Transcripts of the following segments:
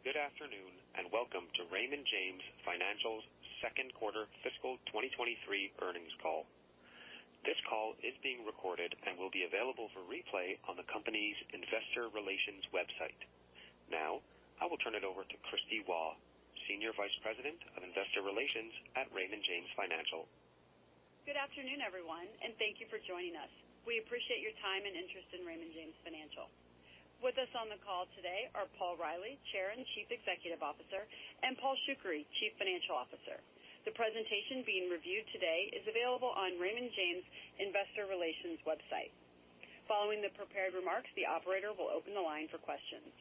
Good afternoon, and welcome to Raymond James Financial's second quarter fiscal 2023 earnings call. This call is being recorded and will be available for replay on the company's investor relations website. I will turn it over to Kristina Waugh, Senior Vice President of Investor Relations at Raymond James Financial. Good afternoon, everyone, and thank you for joining us. We appreciate your time and interest in Raymond James Financial. With us on the call today are Paul Reilly, Chair and Chief Executive Officer, and Paul Shoukry, Chief Financial Officer. The presentation being reviewed today is available on Raymond James investor relations website. Following the prepared remarks, the operator will open the line for questions.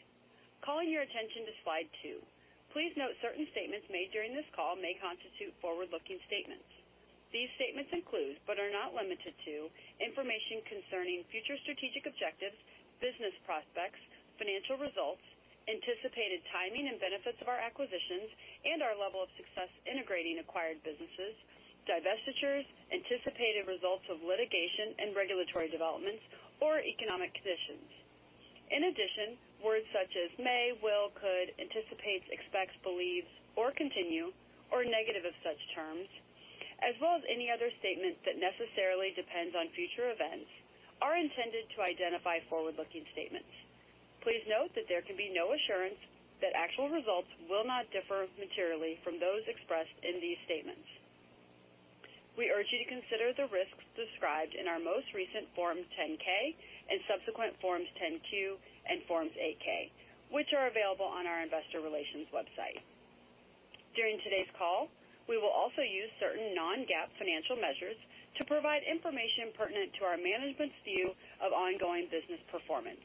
Calling your attention to slide 2. Please note certain statements made during this call may constitute forward-looking statements. These statements include, but are not limited to, information concerning future strategic objectives, business prospects, financial results, anticipated timing and benefits of our acquisitions and our level of success integrating acquired businesses, divestitures, anticipated results of litigation and regulatory developments or economic conditions. In addition, words such as may, will, could, anticipates, expects, believes, or continue or negative of such terms, as well as any other statement that necessarily depends on future events, are intended to identify forward-looking statements. Please note that there can be no assurance that actual results will not differ materially from those expressed in these statements. We urge you to consider the risks described in our most recent Form 10-K and subsequent Forms 10-Q and Forms 8-K, which are available on our investor relations website. During today's call, we will also use certain non-GAAP financial measures to provide information pertinent to our management's view of ongoing business performance.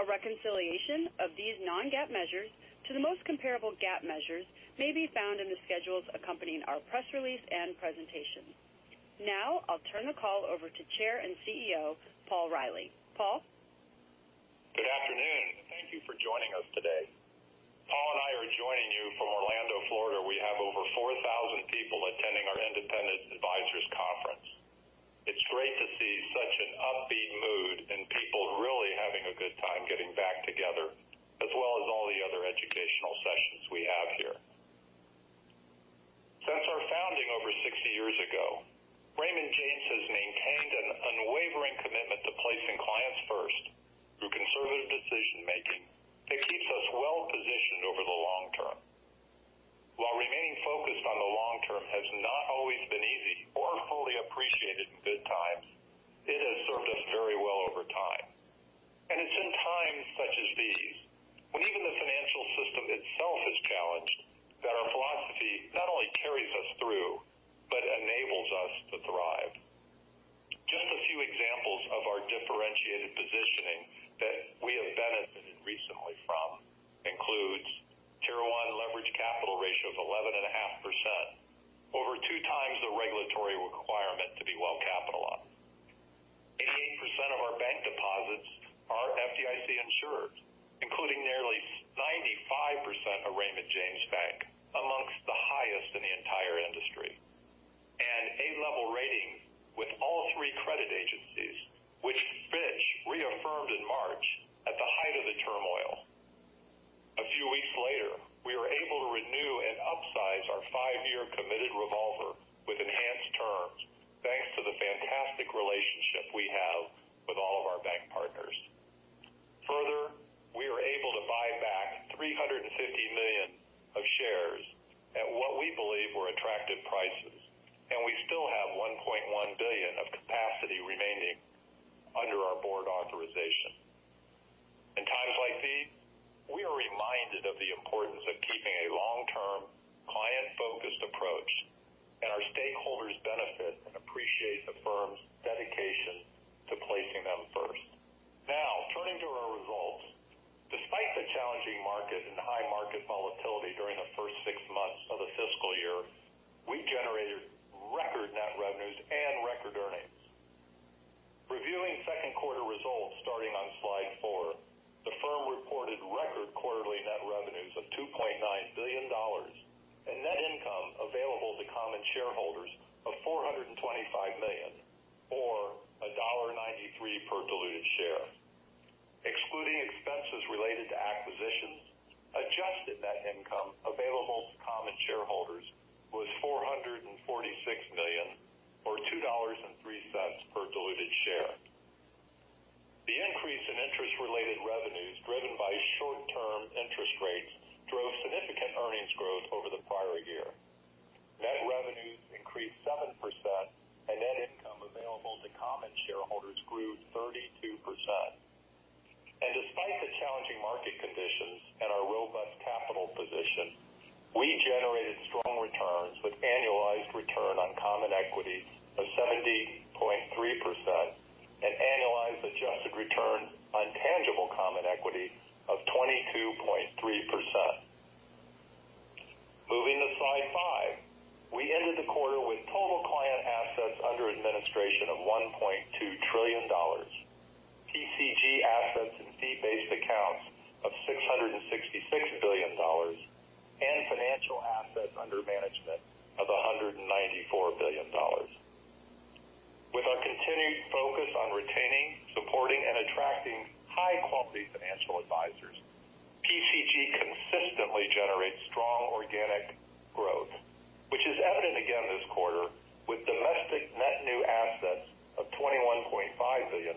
A reconciliation of these non-GAAP measures to the most comparable GAAP measures may be found in the schedules accompanying our press release and presentation. Now I'll turn the call over to Chair and CEO Paul Reilly. Paul. Good afternoon. Thank you for joining us today. Paul and I are joining you from Orlando, Florida, where we have over 4,000 people attending our Independent Advisors Conference. It's great to see such an upbeat mood and people really having a good time getting back together, as well as all the other educational sessions we have here. Since our founding over 60 years ago, Raymond James has maintained an unwavering commitment to placing clients first through conservative decision-making that keeps us well positioned over the long term. While remaining focused on the long term has not always been easy or fully appreciated in good times, it has served us very well over time. It's in times such as these, when even the financial system itself is challenged, that our philosophy not only carries us through but enables us to thrive. Just a few examples of our differentiated positioning that we have benefited recently from includes Tier 1 leverage capital ratio of 11.5%, over 2 times the regulatory requirement to be well capitalized. 88% of our bank deposits are FDIC insured, including nearly 95% of Raymond James Bank, amongst the highest in the entire industry. A-level rating with all three credit agencies, which Fitch reaffirmed in March at the height of the turmoil. A few weeks later, we were able to renew and upsize our five-year committed revolver with enhanced terms thanks to the fantastic relationship we have with all of our bank partners. We were able to buy back $350 million of shares at what we believe were attractive prices, and we still have $1.1 billion of capacity remaining under our board authorization. In times like these, we are reminded of the importance of keeping a long-term, client-focused approach. Our stakeholders benefit and appreciate the firm's dedication to placing them first. Now turning to our results. Despite the challenging market and high market volatility during the first six months of the fiscal year, we generated record net revenues and record earnings. Reviewing second quarter results starting on slide four, the firm reported record quarterly net revenues of $2.9 billion and net income available to common shareholders of $425 million or $1.93 per diluted share. Excluding expenses related to acquisitions, adjusted net income available to common shareholders was $446 million or $2.03 per diluted share. The increase in interest-related revenues driven by short-term interest rates drove significant earnings growth over the prior year. Net revenues increased 7%, and net income available to common shareholders grew 32%. Despite the challenging market conditions and our robust capital position, we generated strong returns with annualized return on common equity of 70.3% and annualized adjusted return on tangible common equity of 22.3%. Moving to slide 5. We ended the quarter with total client assets under administration of $1.2 trillion. PCG assets and fee-based accounts of $666 billion. $4 billion. With our continued focus on retaining, supporting, and attracting high-quality financial advisors, PCG consistently generates strong organic growth, which is evident again this quarter with domestic net new assets of $21.5 billion,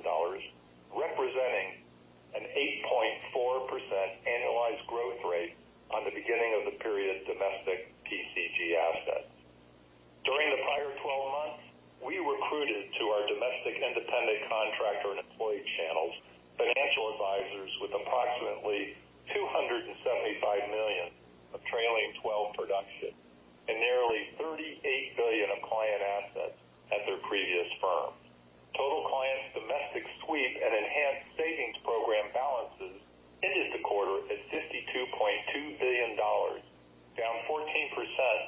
representing an 8.4% annualized growth rate on the beginning of the period domestic PCG assets. During the prior 12 months, we recruited to our domestic independent contractor and employee channels financial advisors with approximately $275 million of trailing 12 production and nearly $38 billion of client assets at their previous firms. Total clients domestic sweep and Enhanced Savings Program balances ended the quarter at $52.2 billion, down 14%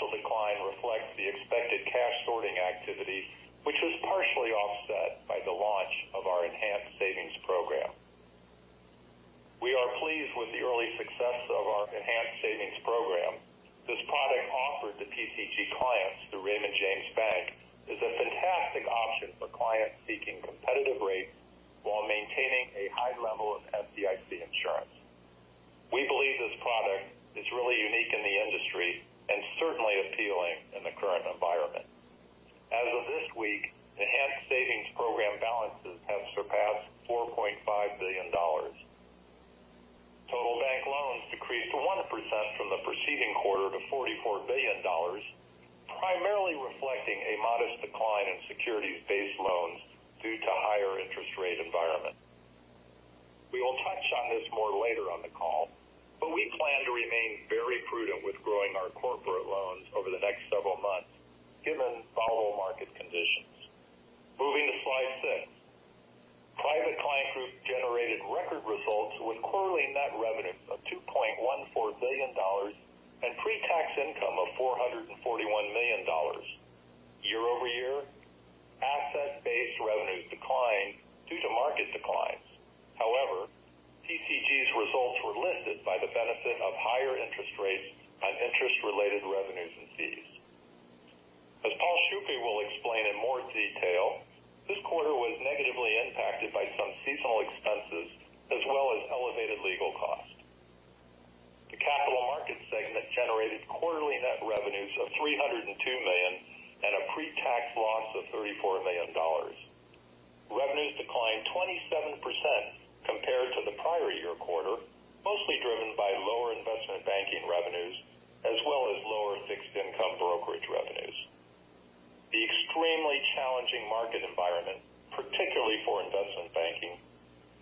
from December 2022. The sequential decline reflects the expected cash sorting activity, which was partially offset by the launch of our Enhanced Savings Program. We are pleased with the early success of our Enhanced Savings Program. This product offered to PCG clients through Raymond James Bank is a fantastic option for clients seeking competitive rates while maintaining a high level of FDIC insurance. We believe this product is really unique in the industry and certainly appealing in the current environment. As of this week, Enhanced Savings Program balances have surpassed $4.5 billion. Total bank loans decreased 1% from the preceding quarter to $44 billion, primarily reflecting a modest decline in securities-based loans due to higher interest rate environment. We will touch on this more later on the call, but we plan to remain very prudent with growing our corporate loans over the next several months given volatile market conditions. Moving to slide 6. Private Client Group generated record results with quarterly net revenues of $2.14 billion and pre-tax income of $441 million. Year-over-year asset-based revenues declined due to market declines. However, PCG's results were lifted by the benefit of higher interest rates on interest-related revenues and fees. As Paul Shoukry will explain in more detail, this quarter was negatively impacted by some seasonal expenses as well as elevated legal costs. The Capital Markets segment generated quarterly net revenues of $302 million and a pre-tax loss of $34 million. Revenues declined 27% compared to the prior year quarter, mostly driven by lower investment banking revenues as well as lower fixed income brokerage revenues. The extremely challenging market environment, particularly for investment banking,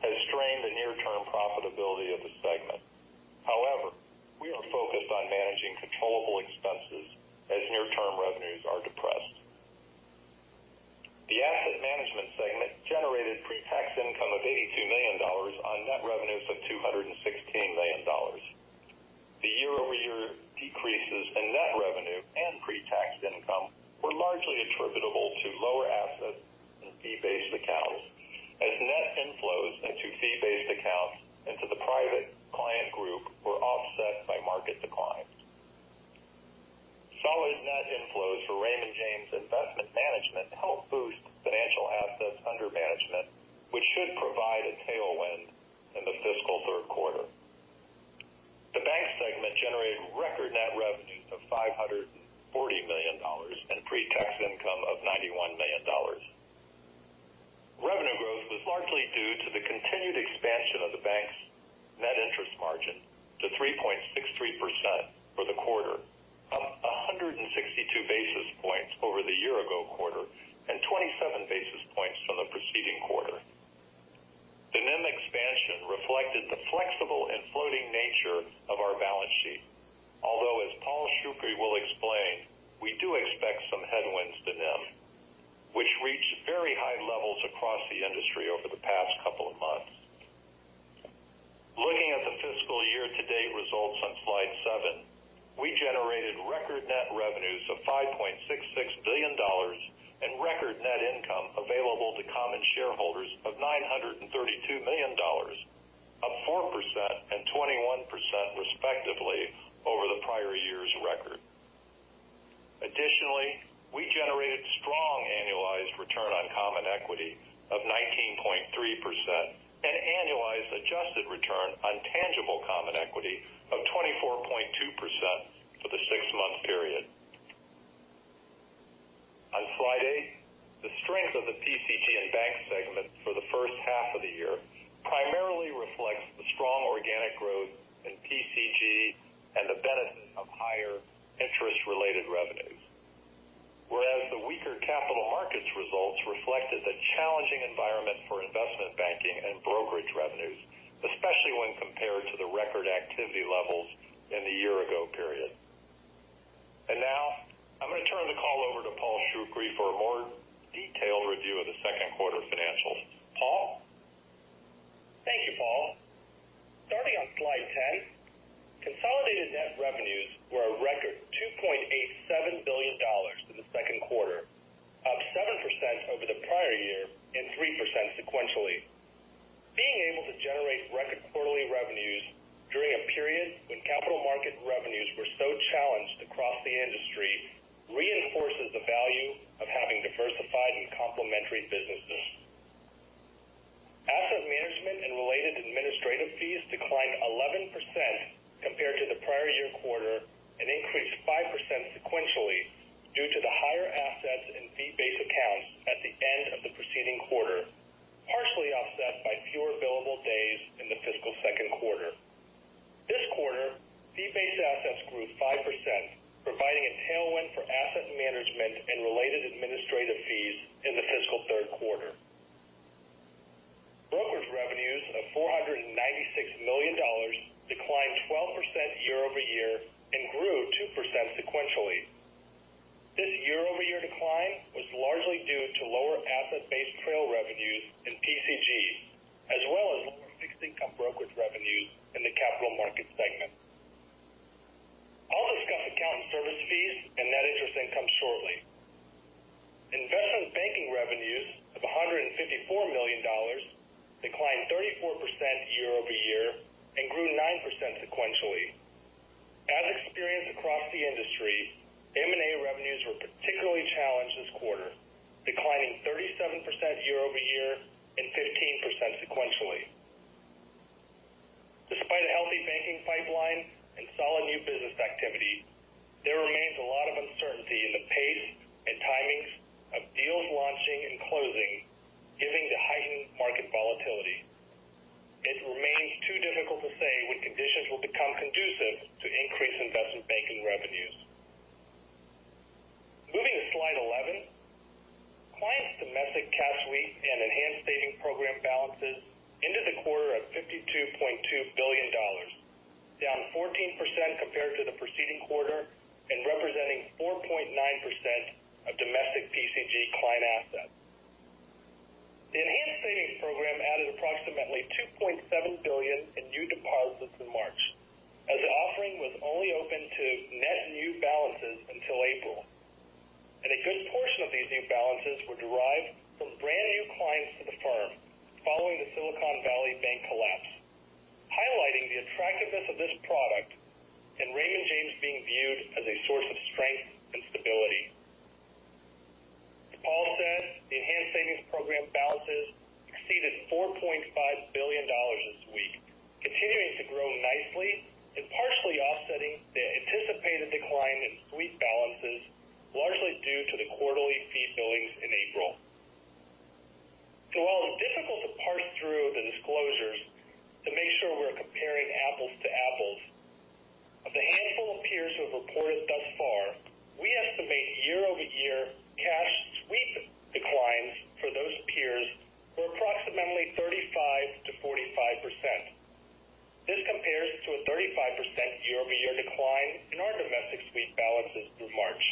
has strained the near-term profitability of the segment. However, we are focused on managing controllable expenses as near-term revenues are depressed. The Asset Management segment generated pre-tax income of $82 million on net revenues of $216 million. The year-over-year decreases in net revenue and pre-tax income were largely attributable to lower assets in fee-based accounts as net inflows into fee-based accounts into the Private Client Group were offset by market declines. Solid net inflows for Raymond James Investment Management helped boost financial assets under management, which should provide a tailwind in the fiscal third quarter. The Bank segment generated record net revenues of $540 million and pre-tax income of $91 million. Revenue growth was largely due to the continued expansion of the Bank's net interest margin to 3.63% for the quarter, up 162 basis points over the year-ago quarter and 27 basis points from the preceding quarter. The NIM expansion reflected the flexible and floating nature of our balance sheet. Although, as Paul Shoukry will explain, we do expect some headwinds to NIM, which reached very high levels across the industry over the past couple of months. Looking at the fiscal year-to-date results on slide 7, we generated record net revenues of $5.66 billion and record net income available to common shareholders of $932 million, up 4% and 21% respectively over the prior year's record. Additionally, we generated strong annualized return on common equity of 19.3% and annualized adjusted return on tangible common equity of 24.2% for the six-month period. On slide 8, the strength of the PCG and bank segment for the first half of the year primarily reflects the strong organic growth in PCG and the benefit of higher interest-related revenues. Whereas the weaker Capital Markets results reflected the challenging environment for investment banking and brokerage revenues, especially when compared to the record activity levels in the year-ago period. Now I'm going to turn the call over to Paul Shoukry for a more detailed review of the second quarter financials. Paul? Thank you, Paul. Starting on slide 10, consolidated net revenues were a record $2.87 billion in the second quarter. Three percent sequentially. Being able to generate record quarterly revenues during a period when Capital Markets revenues were so challenged across the industry reinforces the value of having diversified and complementary businesses. Asset Management and related administrative fees declined 11% compared to the prior year quarter and increased 5% sequentially due to the higher assets in fee-based accounts at the end of the preceding quarter, partially offset by fewer billable days in the fiscal second quarter. This quarter, fee-based assets grew 5%, providing a tailwind for Asset Management and related administrative fees in the fiscal third quarter. Brokerage revenues of $496 million declined 12% year-over-year and grew 2% sequentially. This year-over-year decline was largely due to lower asset-based trail revenues in PCGs, as well as lower fixed income brokerage revenues in the Capital Markets segment. I'll discuss account and service fees and net interest income shortly. Investment banking revenues of $154 million declined 34% year-over-year and grew 9% sequentially. As experienced across the industry, M&A revenues were particularly challenged this quarter, declining 37% year-over-year and 15% sequentially. Despite a healthy banking pipeline and solid new business activity, there remains a lot of uncertainty in the pace and timings of deals launching and closing given the heightened market volatility. It remains too difficult to say when conditions will become conducive to increase investment banking revenues. Moving to slide 11. Clients' domestic cash sweep and Enhanced Savings Program balances ended the quarter at $52.2 billion, down 14% compared to the preceding quarter and representing 4.9% of domestic PCG client assets. The Enhanced Savings Program added approximately $2.7 billion in new deposits in March, as the offering was only open to net new balances until April. A good portion of these new balances were derived from brand-new clients to the firm following the Silicon Valley Bank collapse, highlighting the attractiveness of this product and Raymond James being viewed as a source of strength and stability. As Paul said, the Enhanced Savings Program balances exceeded $4.5 billion this week, continuing to grow nicely and partially offsetting the anticipated decline in sweep balances, largely due to the quarterly fee billings in April. While it's difficult to parse through the disclosures to make sure we're comparing apples to apples, of the handful of peers who have reported thus far, we estimate year-over-year cash sweep declines for those peers were approximately 35%-45%. This compares to a 35% year-over-year decline in our domestic sweep balances through March.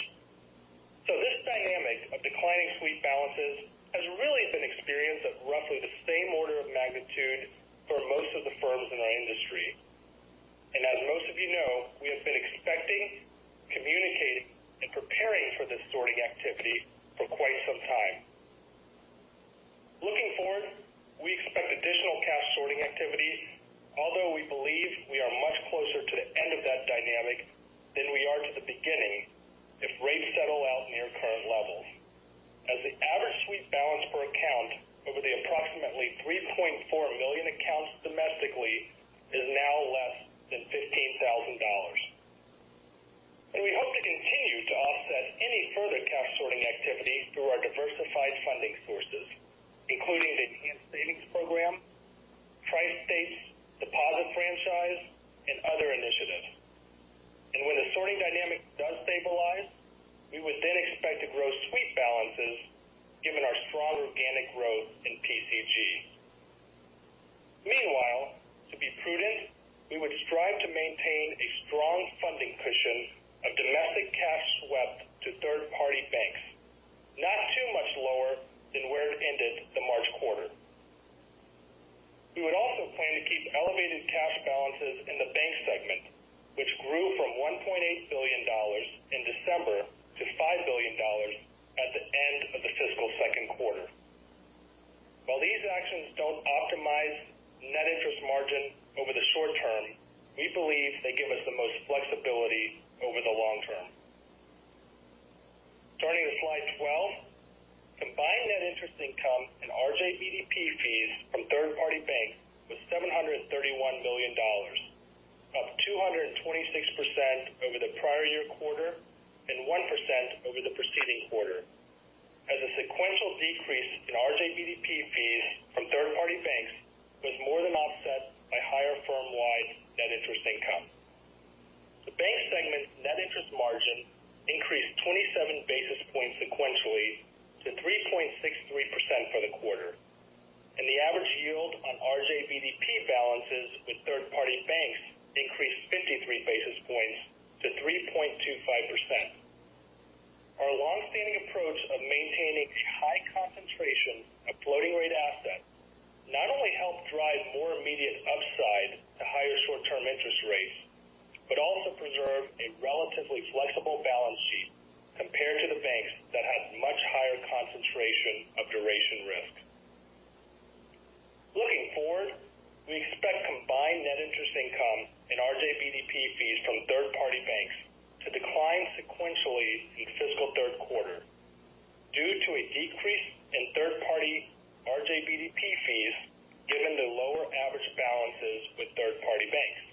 This dynamic of declining sweep balances has really been experienced at roughly the same order of magnitude for most of the firms in our industry. As most of you know, we have been expecting, communicating, and preparing for this sorting activity for quite some time. Looking forward, we expect additional cash sorting activity, although we believe we are much closer to the end of that dynamic than we are to the beginning if rates settle out near current levels, as the average sweep balance per account over the approximately 3.4 million accounts domestically is now less than $15,000. We hope to continue to offset any further cash sorting activity through our diversified funding sources, including the Enhanced Savings Program, TriState's deposit franchise, and other initiatives. When the sorting dynamic does stabilize, we would then expect to grow sweep balances given our strong organic growth in PCG. Meanwhile, to be prudent, we would strive to maintain a strong funding cushion of domestic cash swept to third-party banks, not too much lower than where it ended the March quarter. We would also plan to keep elevated cash balances in the bank segment, which grew from $1.8 billion in December to $5 billion at the end of the fiscal second quarter. While these actions don't optimize net interest margin over the short term, we believe they give us the most flexibility over the long term. Turning to slide 12. Combined net interest income and RJBDP fees from third-party banks was $731 million, up 226% over the prior year quarter and 1% over the preceding quarter, as the sequential decrease in RJBDP fees from third-party banks was more than offset by higher firm-wide net interest income. The bank segment net interest margin increased 27 basis points sequentially to 3.63% for the quarter, and the average yield on RJBDP balances with third-party banks increased 53 basis points to 3.25%. Our long-standing approach of maintaining high concentration of floating-rate rates but also preserve a relatively flexible balance sheet compared to the banks that have much higher concentration of duration risk. Looking forward, we expect combined net interest income and RJBDP fees from third-party banks to decline sequentially in fiscal third quarter due to a decrease in third-party RJBDP fees given the lower average balances with third-party banks.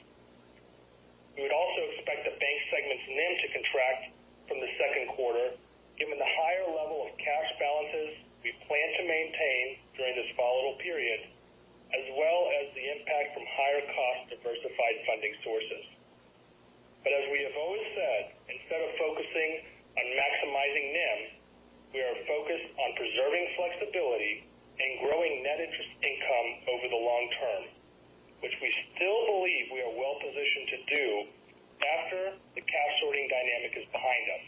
We would also expect the bank segment's NIM to contract from the second quarter given the higher level of cash balances we plan to maintain during this volatile period as well as the impact from higher cost diversified funding sources. As we have always said, instead of focusing on maximizing NIM, we are focused on preserving flexibility and growing net interest income over the long term, which we still believe we are well-positioned to do after the cash sorting dynamic is behind us.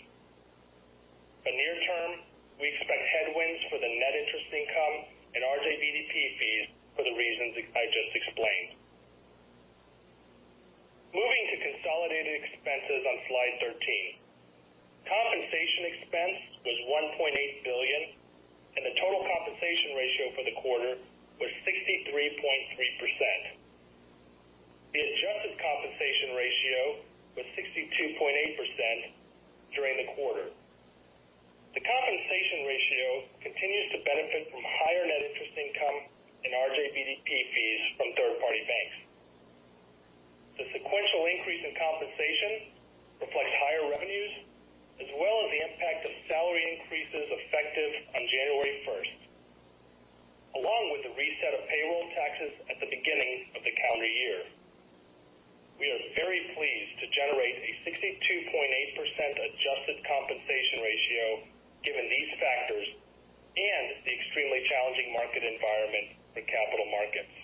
Near term, we expect headwinds for the net interest income and RJBDP fees for the reasons I just explained. Moving to consolidated expenses on slide 13. Compensation expense was $1.8 billion, and the total compensation ratio for the quarter was 63.3%. The adjusted compensation ratio was 62.8% during the quarter. The compensation ratio continues to benefit from higher net interest income and RJBDP fees from third-party banks. The sequential increase in compensation reflects higher revenues as well as the impact of salary increases effective on January 1. Along with the reset of payroll taxes at the beginning of the calendar year, we are very pleased to generate a 62.8% adjusted compensation ratio given these factors and the extremely challenging market environment for Capital Markets.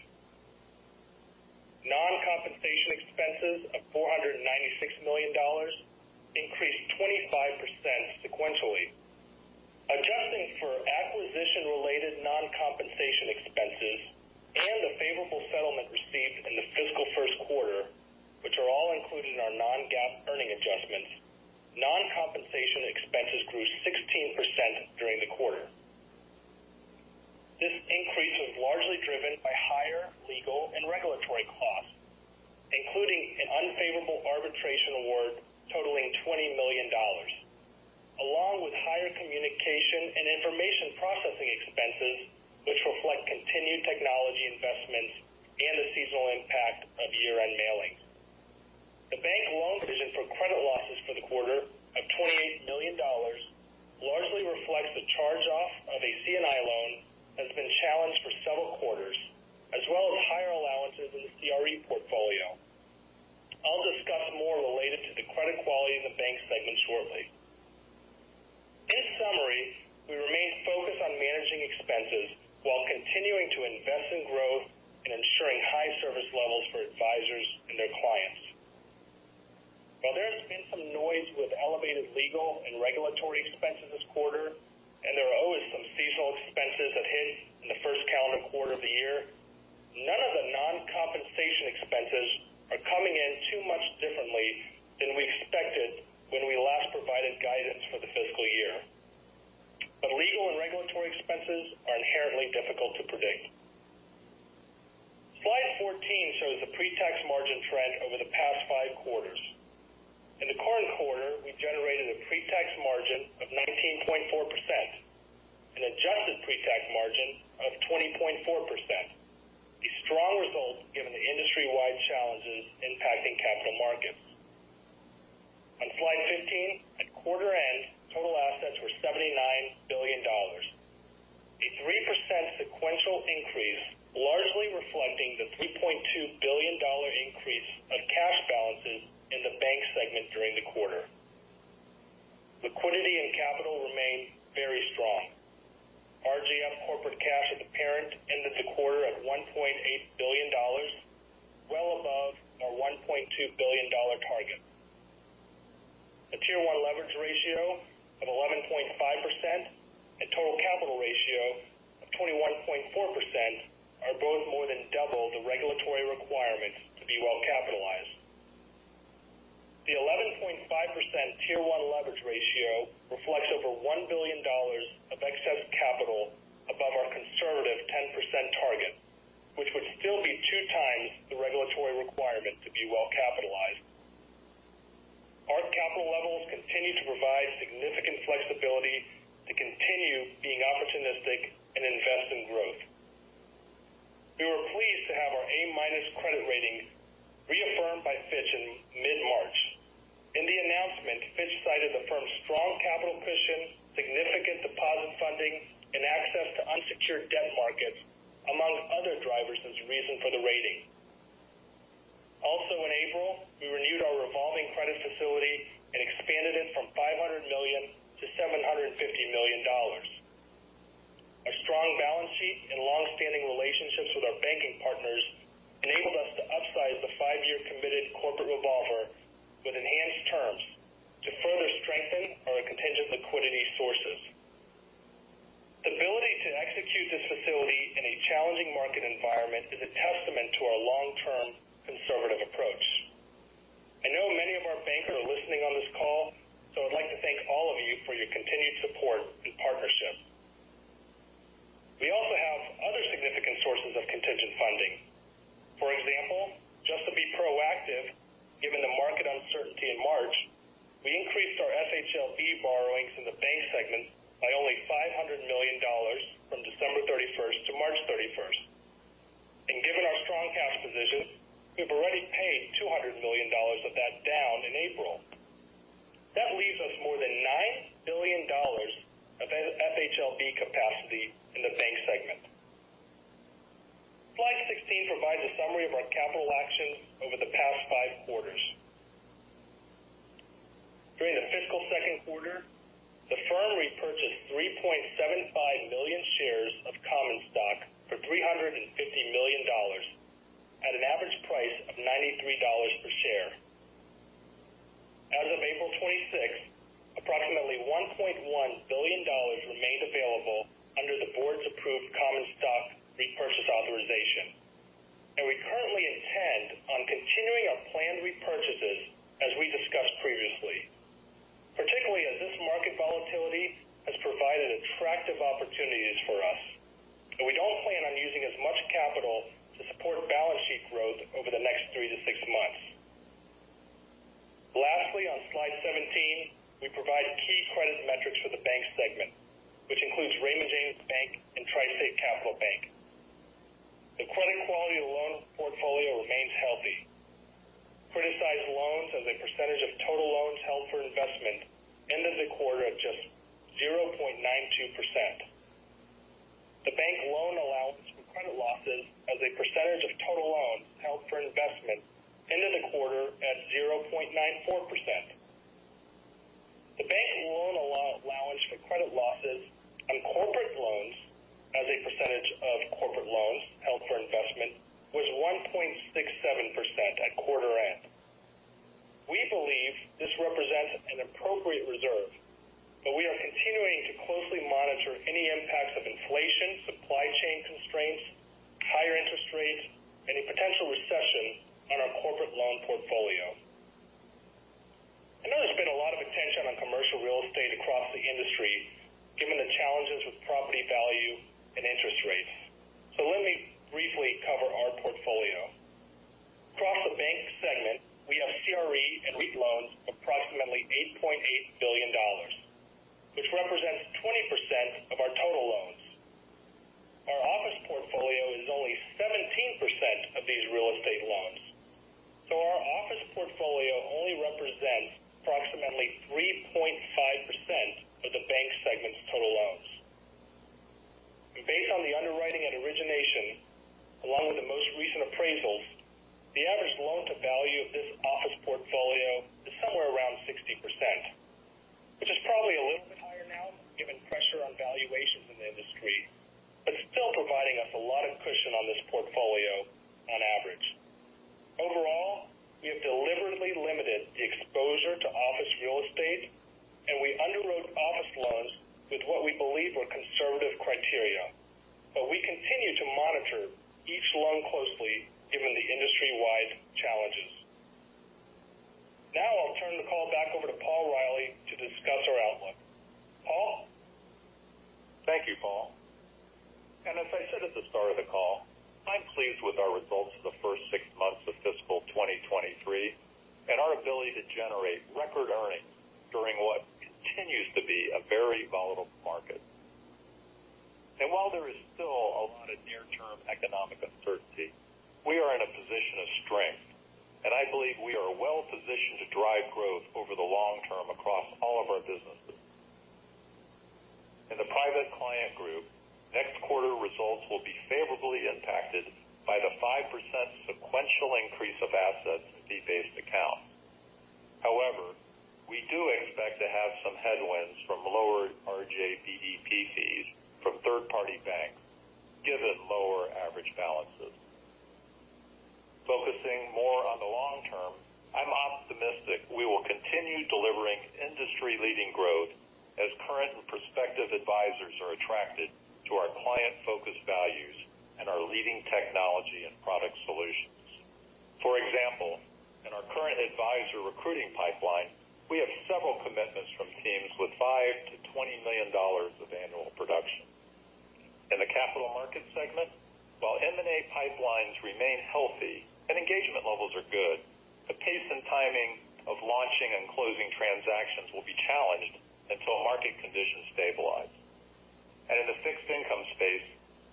Non-compensation expenses of $496 million increased 25% sequentially. Adjusting for acquisition-related non-compensation expenses and a favorable settlement received in the fiscal first quarter, which are all included in our non-GAAP earning adjustments, non-compensation expenses grew 16% during the quarter. This increase was largely driven by higher legal and regulatory costs, including an unfavorable arbitration award totaling $20 million. Along with higher communication and information processing expenses, which reflect continued technology investments and the seasonal impact of year-end mailings. The bank loan provision for credit losses for the quarter of $28 million largely reflects the charge-off of a C&I loan that's been challenged for several quarters, as well as higher allowances in the CRE portfolio. I'll discuss more related to the credit quality in the bank segment shortly. In summary, we remain focused on managing expenses while continuing to invest in growth and ensuring high service levels for advisors and their clients. While there has been some noise with elevated legal and regulatory expenses this quarter, and there are always some seasonal expenses that hit in the first calendar quarter of the year, none of the non-compensation expenses are coming in too much differently than we expected when we last provided guidance for the fiscal year. Legal and regulatory expenses are inherently difficult to predict. Slide 14 shows the pretax margin trend over the past five quarters. In the current quarter, we generated a pretax margin of 19.4%, an adjusted pretax margin of 20.4%. A strong result given the industry-wide challenges impacting capital markets. On slide 15, at quarter end, total assets were $79 billion. A 3% sequential increase largely reflecting the $3.2 billion increase of cash balances in the bank segment during the quarter. Liquidity and capital remain very strong. RJF corporate cash at the parent ended the quarter at $1.8 billion, well above our $1.2 billion target. A Tier 1 leverage ratio of 11.5% and total capital ratio of 21.4% are both more than double the regulatory requirements to be well capitalized. The 11.5% Tier 1 leverage ratio reflects over $1 billion of excess capital above our conservative 10% target, which would still be 2 times the regulatory requirement to be well capitalized. Our capital levels continue to provide significant flexibility to continue being opportunistic and invest in growth. We were pleased to have our A- credit rating reaffirmed by Fitch in mid-March. In the announcement, Fitch cited the firm's strong capital cushion, significant deposit funding, and access to unsecured debt markets, among other drivers as reason for the rating. Also in April, we renewed our revolving credit facility and expanded it from $500 million-$750 million. Our strong balance sheet and long-standing relationships with our banking partners enabled us to upsize the five-year committed corporate revolver with enhanced terms to further strengthen our contingent liquidity sources. Challenging market environment is a testament to our long-term conservative approach. I know many of our bankers are listening on this call, so I'd like to thank all of you for your continued support and partnership. We also have other significant sources of contingent funding. For example, just to be proactive, given the market uncertainty in March, we increased our FHLB borrowings in the bank segment by only $500 million from December 31st to March 31st. Given our strong cash position, we've already paid $200 million of that down in April. That leaves us more than $9 billion of FHLB capacity in the bank segment. Slide 16 provides a summary of our capital actions over the past 5 quarters. During the fiscal 2nd quarter, the firm repurchased 3.75 million shares of common stock for $350 million at an average price of $93 per share. As of April 26th, approximately $1.1 billion remained available under the board's approved common stock repurchase authorization. I currently intend on continuing our planned repurchases as we discussed previously, particularly as this market volatility has provided attractive opportunities for us, and we don't plan on using as much capital to support balance sheet growth over the next 3-6 months. Lastly, on slide 17, we provide key credit metrics for the bank segment, which includes Raymond James Bank and TriState Capital Bank. The credit quality of loan portfolio remains healthy. Criticized loans as a percentage of total loans held for investment ended the quarter at just 0.92%. The bank loan allowance for credit losses as a percentage of total loans held for investment ended the quarter at 0.94%. The bank loan allowance for credit losses on corporate loans as a percentage of corporate loans held for investment was 1.67% at quarter end. We believe this represents an appropriate reserve. We are continuing to closely monitor any impacts of inflation, supply chain constraints, higher interest rates, any potential recession on our corporate loan portfolio. I know there's been a lot of attention on commercial real estate across the industry given the challenges with property value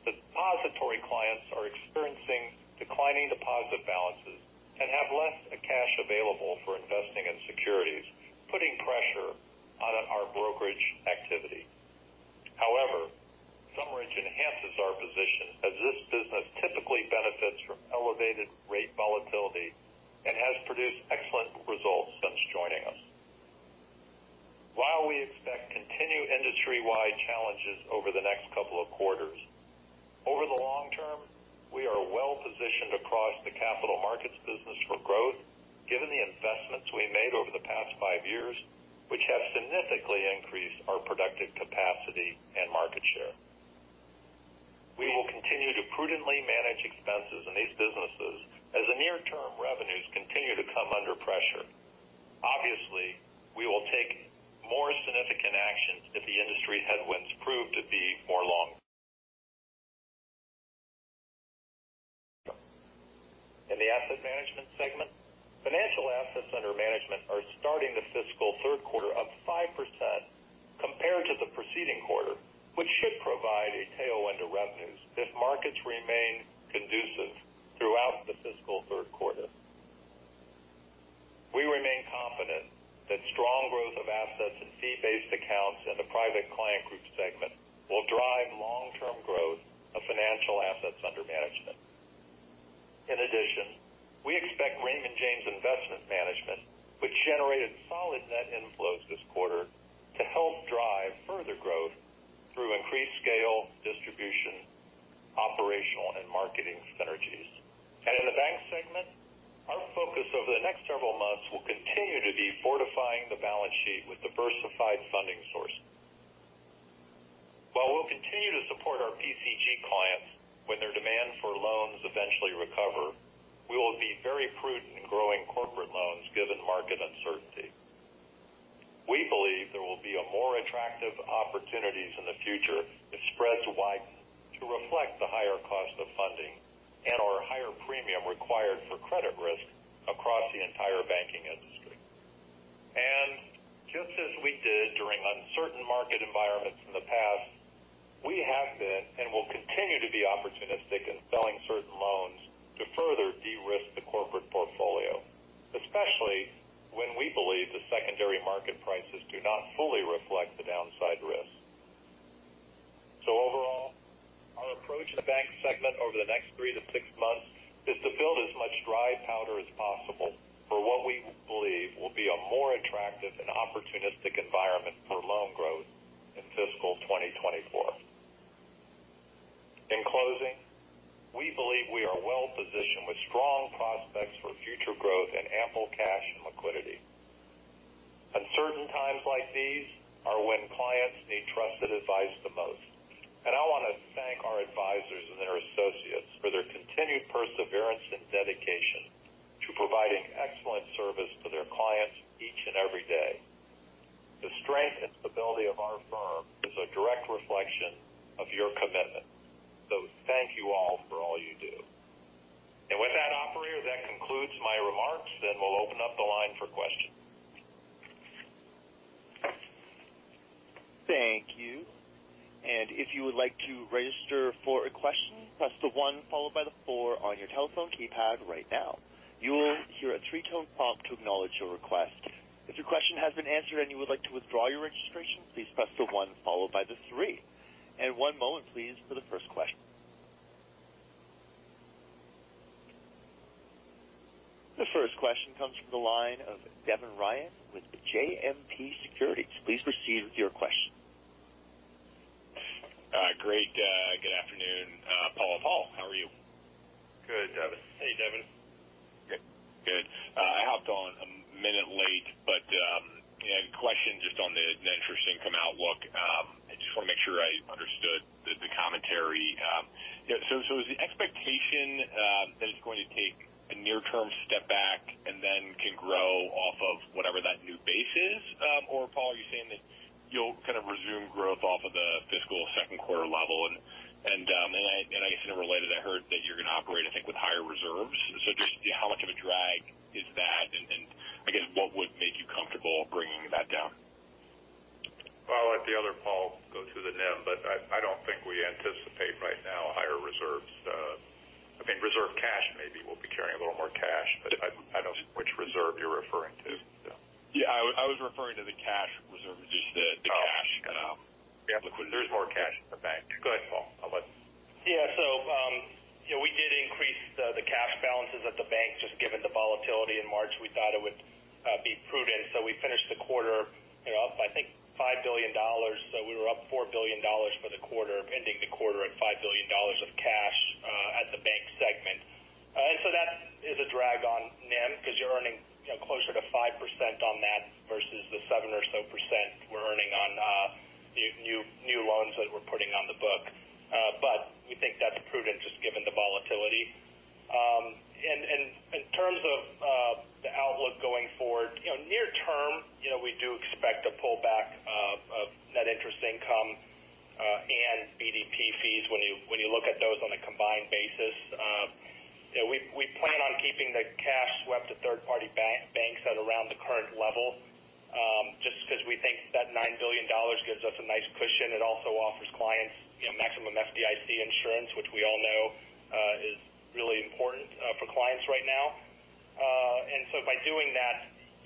the depository clients are experiencing declining deposit balances and have less cash available for investing in securities, putting pressure on our brokerage activity. However, SumRidge enhances our position as this business typically benefits from elevated rate volatility and has produced excellent results since joining us. While we expect continued industry-wide challenges over the next couple of quarters, over the long term. We are well positioned across the Capital Markets business for growth given the investments we made over the past five years, which have significantly increased our productive capacity and market share. We will continue to prudently manage expenses in these businesses as the near-term revenues continue to come under pressure. Obviously, we will take more significant actions if the industry headwinds prove to be more long. In the Asset Management segment, financial assets under management are starting the fiscal third quarter up 5% compared to the preceding quarter, which should provide a tailwind to revenues if markets remain conducive throughout the fiscal third quarter. We remain confident that strong growth of assets in fee-based accounts in the Private Client Group segment will drive long-term growth of financial assets under management. In addition, we expect Raymond James Investment Management, which generated solid net inflows this quarter, to help drive further growth through increased scale, distribution, operational, and marketing synergies. In the bank segment, our focus over the next several months will continue to be fortifying the balance sheet with diversified funding sources. While we'll continue to support our PCG clients when their demand for loans eventually recover, we will be very prudent in growing corporate loans given market uncertainty. We believe there will be more attractive opportunities in the future if spreads widen to reflect the higher cost of funding and/or higher premium required for credit risk across the entire banking industry. Just as we did during uncertain market environments in the past, we have been and will continue to be opportunistic in selling certain loans to further de-risk the corporate portfolio, especially when we believe the secondary market prices do not fully reflect the downside risk. Overall, our approach in the bank segment over the next 3-6 months is to build as much dry powder as possible for what we believe will be a more attractive and opportunistic environment for loan growth in fiscal 2024. In closing, we believe we are well positioned with strong prospects for future growth and ample cash and liquidity. Uncertain times like these are when clients need trusted advice the most. I want to thank our advisors and their associates for their continued perseverance and dedication to providing excellent service to their clients each and every day. The strength and stability of our firm is a direct reflection of your commitment. Thank you all for all you do. With that operator, that concludes my remarks, and we'll open up the line for questions. Thank you. If you would like to register for a question, press the one followed by the four on your telephone keypad right now. You will hear a three-tone prompt to acknowledge your request. If your question has been answered and you would like to withdraw your registration, please press the one followed by the three. One moment please for the first question. The first question comes from the line of Devin Ryan with JMP Securities. Please proceed with your question. Great. Good afternoon, Paul and Paul. How are you? Good, Devin. Hey, Devin. Good. Good. I hopped on a minute late, I had a question just on the net interest income outlook. I just want to make sure I understood the commentary. Is the expectation that it's going to take a near-term step back and can grow off of whatever that new base is? Paul, are you saying that you'll kind of resume growth off of the fiscal second quarter level? I guess interrelated, I heard that you're going to operate, I think, with higher reserves. Just how much of a drag is that? I guess what would make you comfortable bringing that down? I'll let the other Paul go through the NIM, but I don't think we anticipate right now higher reserves. I mean, reserve cash maybe. We'll be carrying a little more cash. I don't which reserve you're referring to. Yeah, I was referring to the cash reserve. Just the cash. Yeah. There's more cash in the bank. Go ahead, Paul. Yeah. you know, we did increase the cash balances at the Bank just given the volatility in March. We thought it would be prudent. we finished the quarter, you know, up I think $5 billion. we were up $4 billion for the quarter, ending the quarter at $5 billion of cash at the Bank segment. that is a drag on NIM because you're earning closer to 5% on that versus the 7% or so we're earning on new loans that we're putting on the book. we think that's prudent just given the volatility. In terms of the outlook going forward, near term, we do expect a pullback of net interest income and BDP fees when you look at those on a combined basis. We plan on keeping the cash swept to third-party banks at around the current level, just because we think that $9 billion gives us a nice cushion. It also offers clients maximum FDIC insurance, which we all know is really important for clients right now. By doing that,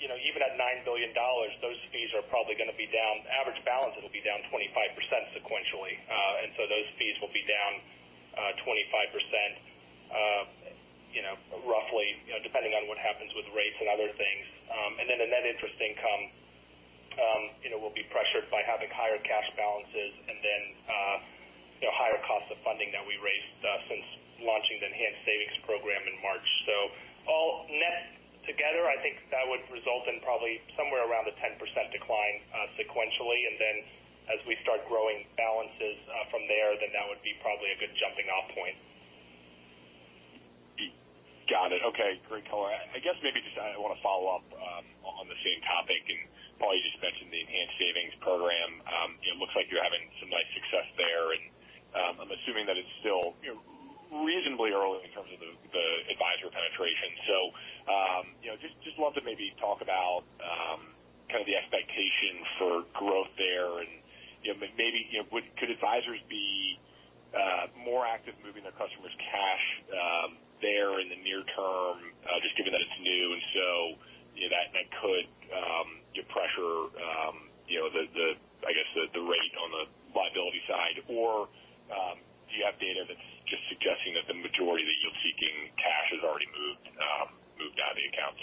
even at $9 billion, those fees are probably going to be down. Average balances will be down 25% sequentially. Those fees will be down, 25%, you know, roughly, you know, depending on what happens with rates and other things. The net interest incomeHaving higher cash balances and then, you know, higher cost of funding that we raised, since launching the Enhanced Savings Program in March. All net together, I think that would result in probably somewhere around the 10% decline, sequentially. As we start growing balances, from there, then that would be probably a good jumping off point. Got it. Okay, great color. I guess maybe just I want to follow up on the same topic. Paul, you just mentioned the Enhanced Savings Program. It looks like you're having some nice success there. I'm assuming that it's still, you know, reasonably early in terms of the advisor penetration. You know, just love to maybe talk about kind of the expectation for growth there. You know, maybe could advisors be more active moving their customers' cash there in the near term, just given that it's new. That could, you know, pressure, you know, the, I guess the rate on the liability side. Do you have data that's just suggesting that the majority of the yield-seeking cash has already moved out of the accounts?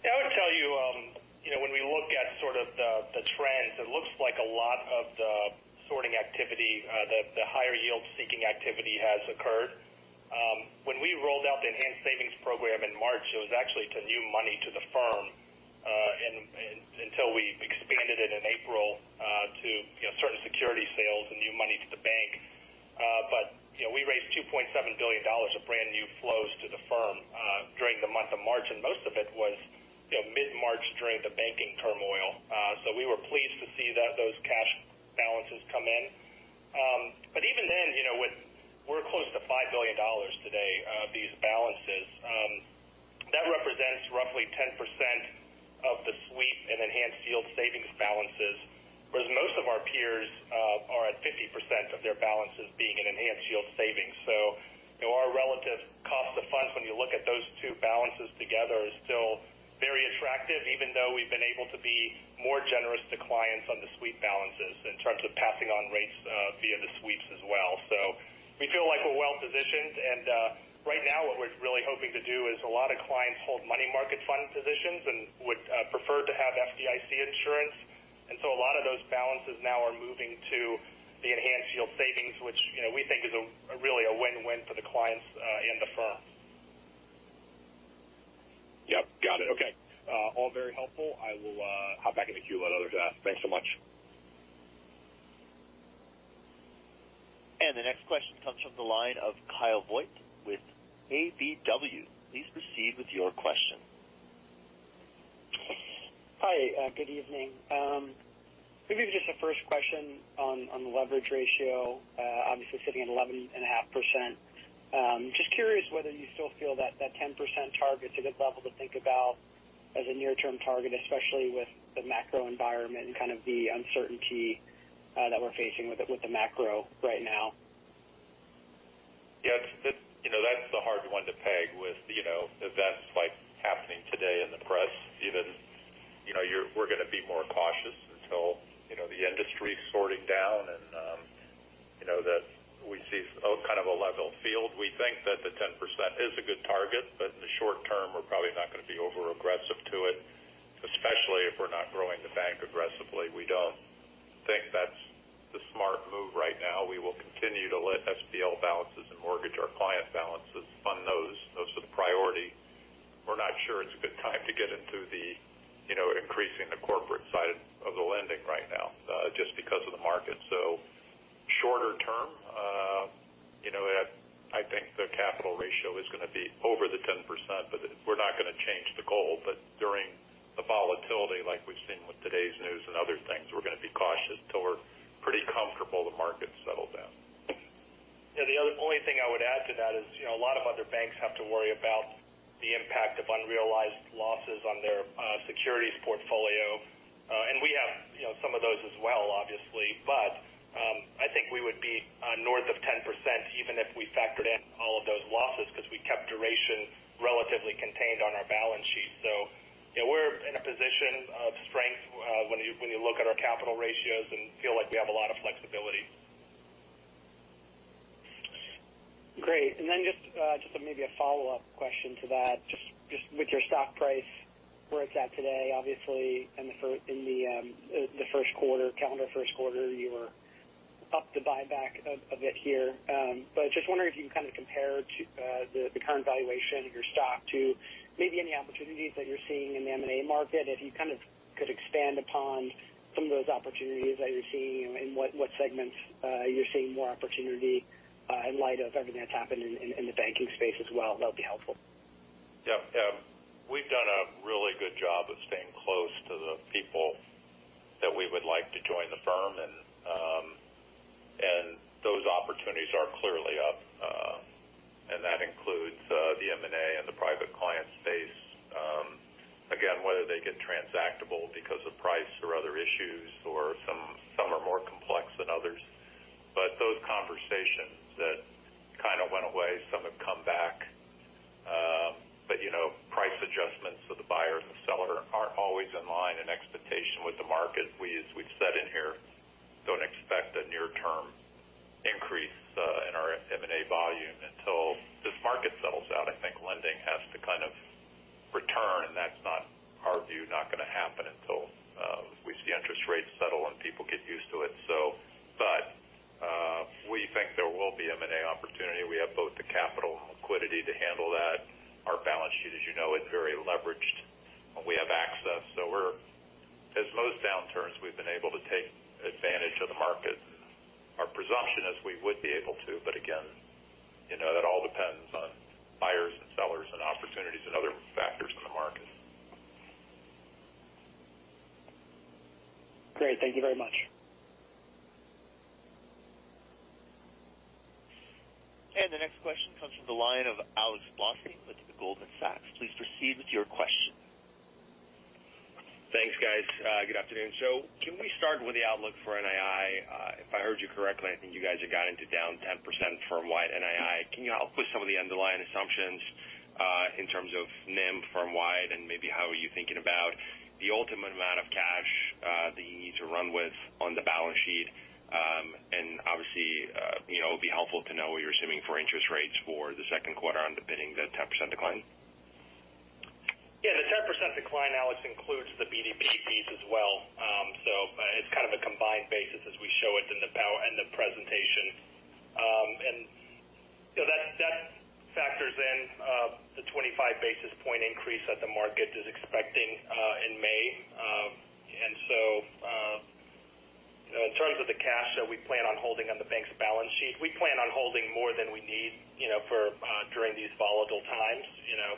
Yeah, I would tell you know, when we look at sort of the trends, it looks like a lot of the sorting activity, the higher yield seeking activity has occurred. When we rolled out the Enhanced Savings Program in March, it was actually to new money to the firm, and until we expanded it in April, to, you know, certain security sales and new money to the bank. You know, we raised $2.7 billion of brand new flows to the firm during the month of March, and most of it was, you know, mid-March during the banking turmoil. We were pleased to see that those cash balances come in. Even then, you know, with we're close to $5 billion today of these balances. That represents roughly 10% of the sweep and enhanced yield savings balances, whereas most of our peers are at 50% of their balances being in enhanced yield savings. Our relative cost of funds when you look at those two balances together is still very attractive. Even though we've been able to be more generous to clients on the sweep balances in terms of passing on rates via the sweeps as well. We feel like we're well positioned. Right now what we're really hoping to do is a lot of clients hold money market fund positions and would prefer to have FDIC insurance. A lot of those balances now are moving to the enhanced yield savings, which, you know, we think is a really a win-win for the clients and the firm. Yep. Got it. Okay. All very helpful. I will hop back in the queue. Let others ask. Thanks so much. The next question comes from the line of Kyle Voigt with KBW. Please proceed with your question. Hi. Good evening. Maybe just a first question on the leverage ratio. Obviously sitting at 11.5%. Just curious whether you still feel that that 10% target is a good level to think about as a near term target, especially with the macro environment and kind of the uncertainty, that we're facing with the macro right now? Yeah, you know, that's a hard one to peg with. You know, events like happening today in the press even. You know, we're going to be more cautious until, you know, the industry's sorting down. You know, that we see kind of a level field. We think that the 10% is a good target, but in the short term we're probably not going to be over aggressive to it, especially if we're not growing the bank aggressively. We don't think that's the smart move right now. We will continue to let FHLB balances and mortgage our client balances fund those. Those are the priority. We're not sure it's a good time to get into the, you know, increasing the corporate side of the lending right now, just because of the market. Shorter term, you know, I think the capital ratio is going to be over the 10%, but we're not going to change the goal. During the volatility like we've seen with today's news and other things, we're going to be cautious till we're pretty comfortable the market settles down. The only thing I would add to that is, you know, a lot of other banks have to worry about the impact of unrealized losses on their securities portfolio. We have, you know, some of those as well, obviously. I think we would be north of 10% even if we factored in all of those losses because we kept duration relatively contained on our balance sheet. We're in a position of strength, when you look at our capital ratios and feel like we have a lot of flexibility. Great. Then just maybe a follow up question to that. Just with your stock price where it's at today, obviously in the first quarter, calendar first quarter, you were up the buyback a bit here. Just wondering if you can kind of compare to the current valuation of your stock to maybe any opportunities that you're seeing in the M&A market. If you kind of could expand upon some of those opportunities that you're seeing and what segments you're seeing more opportunity in light of everything that's happened in the banking space as well. That would be helpful. Yeah. We've done a really good job of staying close to the people that we would like to join the firm. Those opportunities are clearly up. That includes the M&A and the private client space. Again, whether they get transactable because of price or other issues or some are more complex than others. Those conversations that kind of went away, some have come back. You know, price adjustments of the buyers and seller aren't always in line in expectation with the market of return. That's not our view, not gonna happen until we see interest rates settle and people get used to it. We think there will be M&A opportunity. We have both the capital and liquidity to handle that. Our balance sheet, as you know, is very leveraged, and we have access. As most downturns, we've been able to take advantage of the market. Our presumption is we would be able to, but again, you know, that all depends on buyers and sellers and opportunities and other factors in the market. Great. Thank you very much. The next question comes from the line of Alex Blostein with Goldman Sachs. Please proceed with your question. Thanks, guys. Good afternoon. Can we start with the outlook for NII? If I heard you correctly, I think you guys have got into down 10% firmwide NII. Can you help with some of the underlying assumptions, in terms of NIM firmwide and maybe how are you thinking about the ultimate amount of cash, that you need to run with on the balance sheet? Obviously, you know, it'd be helpful to know what you're assuming for interest rates for the second quarter underpinning the 10% decline. Yeah. The 10% decline, Alex, includes the RJBDPs as well. It's kind of a combined basis as we show it in the PR and the presentation. You know, that factors in the 25 basis point increase that the market is expecting in May. You know, in terms of the cash that we plan on holding on the bank's balance sheet, we plan on holding more than we need, you know, for during these volatile times. You know,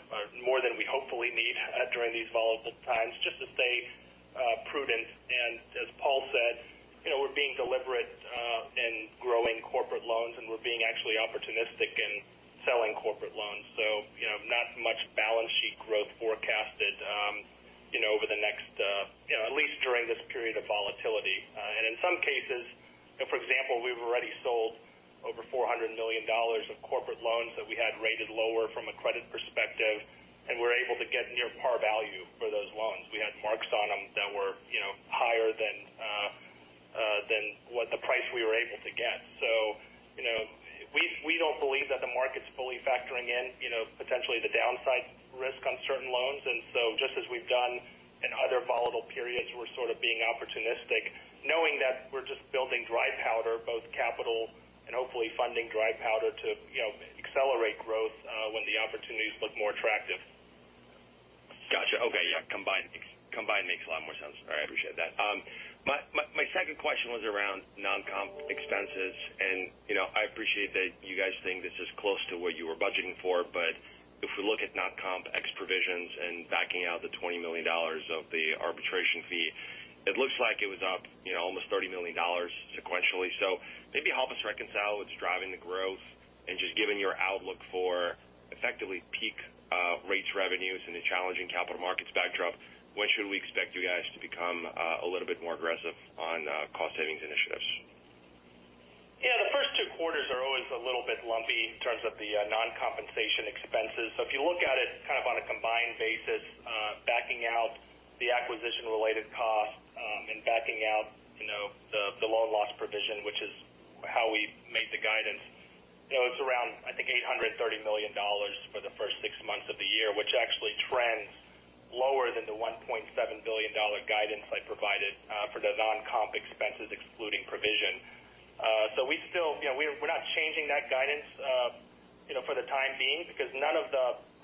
more than we hopefully need during these volatile times just to stay prudent. As Paul said, you know, we're being deliberate in growing corporate loans, and we're being actually opportunistic in selling corporate loans. you know, not much balance sheet growth forecasted, you know, over the next, you know, at least during this period of volatility. In some cases, you know, for example, we've already sold over $400 million of corporate loans that we had rated lower from a credit perspective, and we're able to get near par value for those loans. We had marks on them that were, you know, higher than what the price we were able to get. you know, we don't believe that the market's fully factoring in, you know, potentially the downside risk on certain loans. Just as we've done in other volatile periods, we're sort of being opportunistic, knowing that we're just building dry powder, both capital and hopefully funding dry powder to, you know, accelerate growth when the opportunities look more attractive. Gotcha. Okay. Yeah, combined makes a lot more sense. All right. I appreciate that. My second question was around non-comp expenses. You know, I appreciate that you guys think this is close to what you were budgeting for. If we look at non-comp ex provisions and backing out the $20 million of the arbitration fee, it looks like it was up, you know, almost $30 million sequentially. Maybe help us reconcile what's driving the growth. Just given your outlook for effectively peak rates revenues in a challenging Capital Markets backdrop, when should we expect you guys to become a little bit more aggressive on cost savings initiatives? The first two quarters are always a little bit lumpy in terms of the non-compensation expenses. If you look at it kind of on a combined basis, backing out the acquisition related costs, and backing out, you know, the loan loss provision, which is how we made the guidance. You know, it's around, I think, $830 million for the first six months of the year, which actually trends lower than the $1.7 billion guidance I provided for the non-comp expenses excluding provision. We still, you know, we're not changing that guidance, you know, for the time being because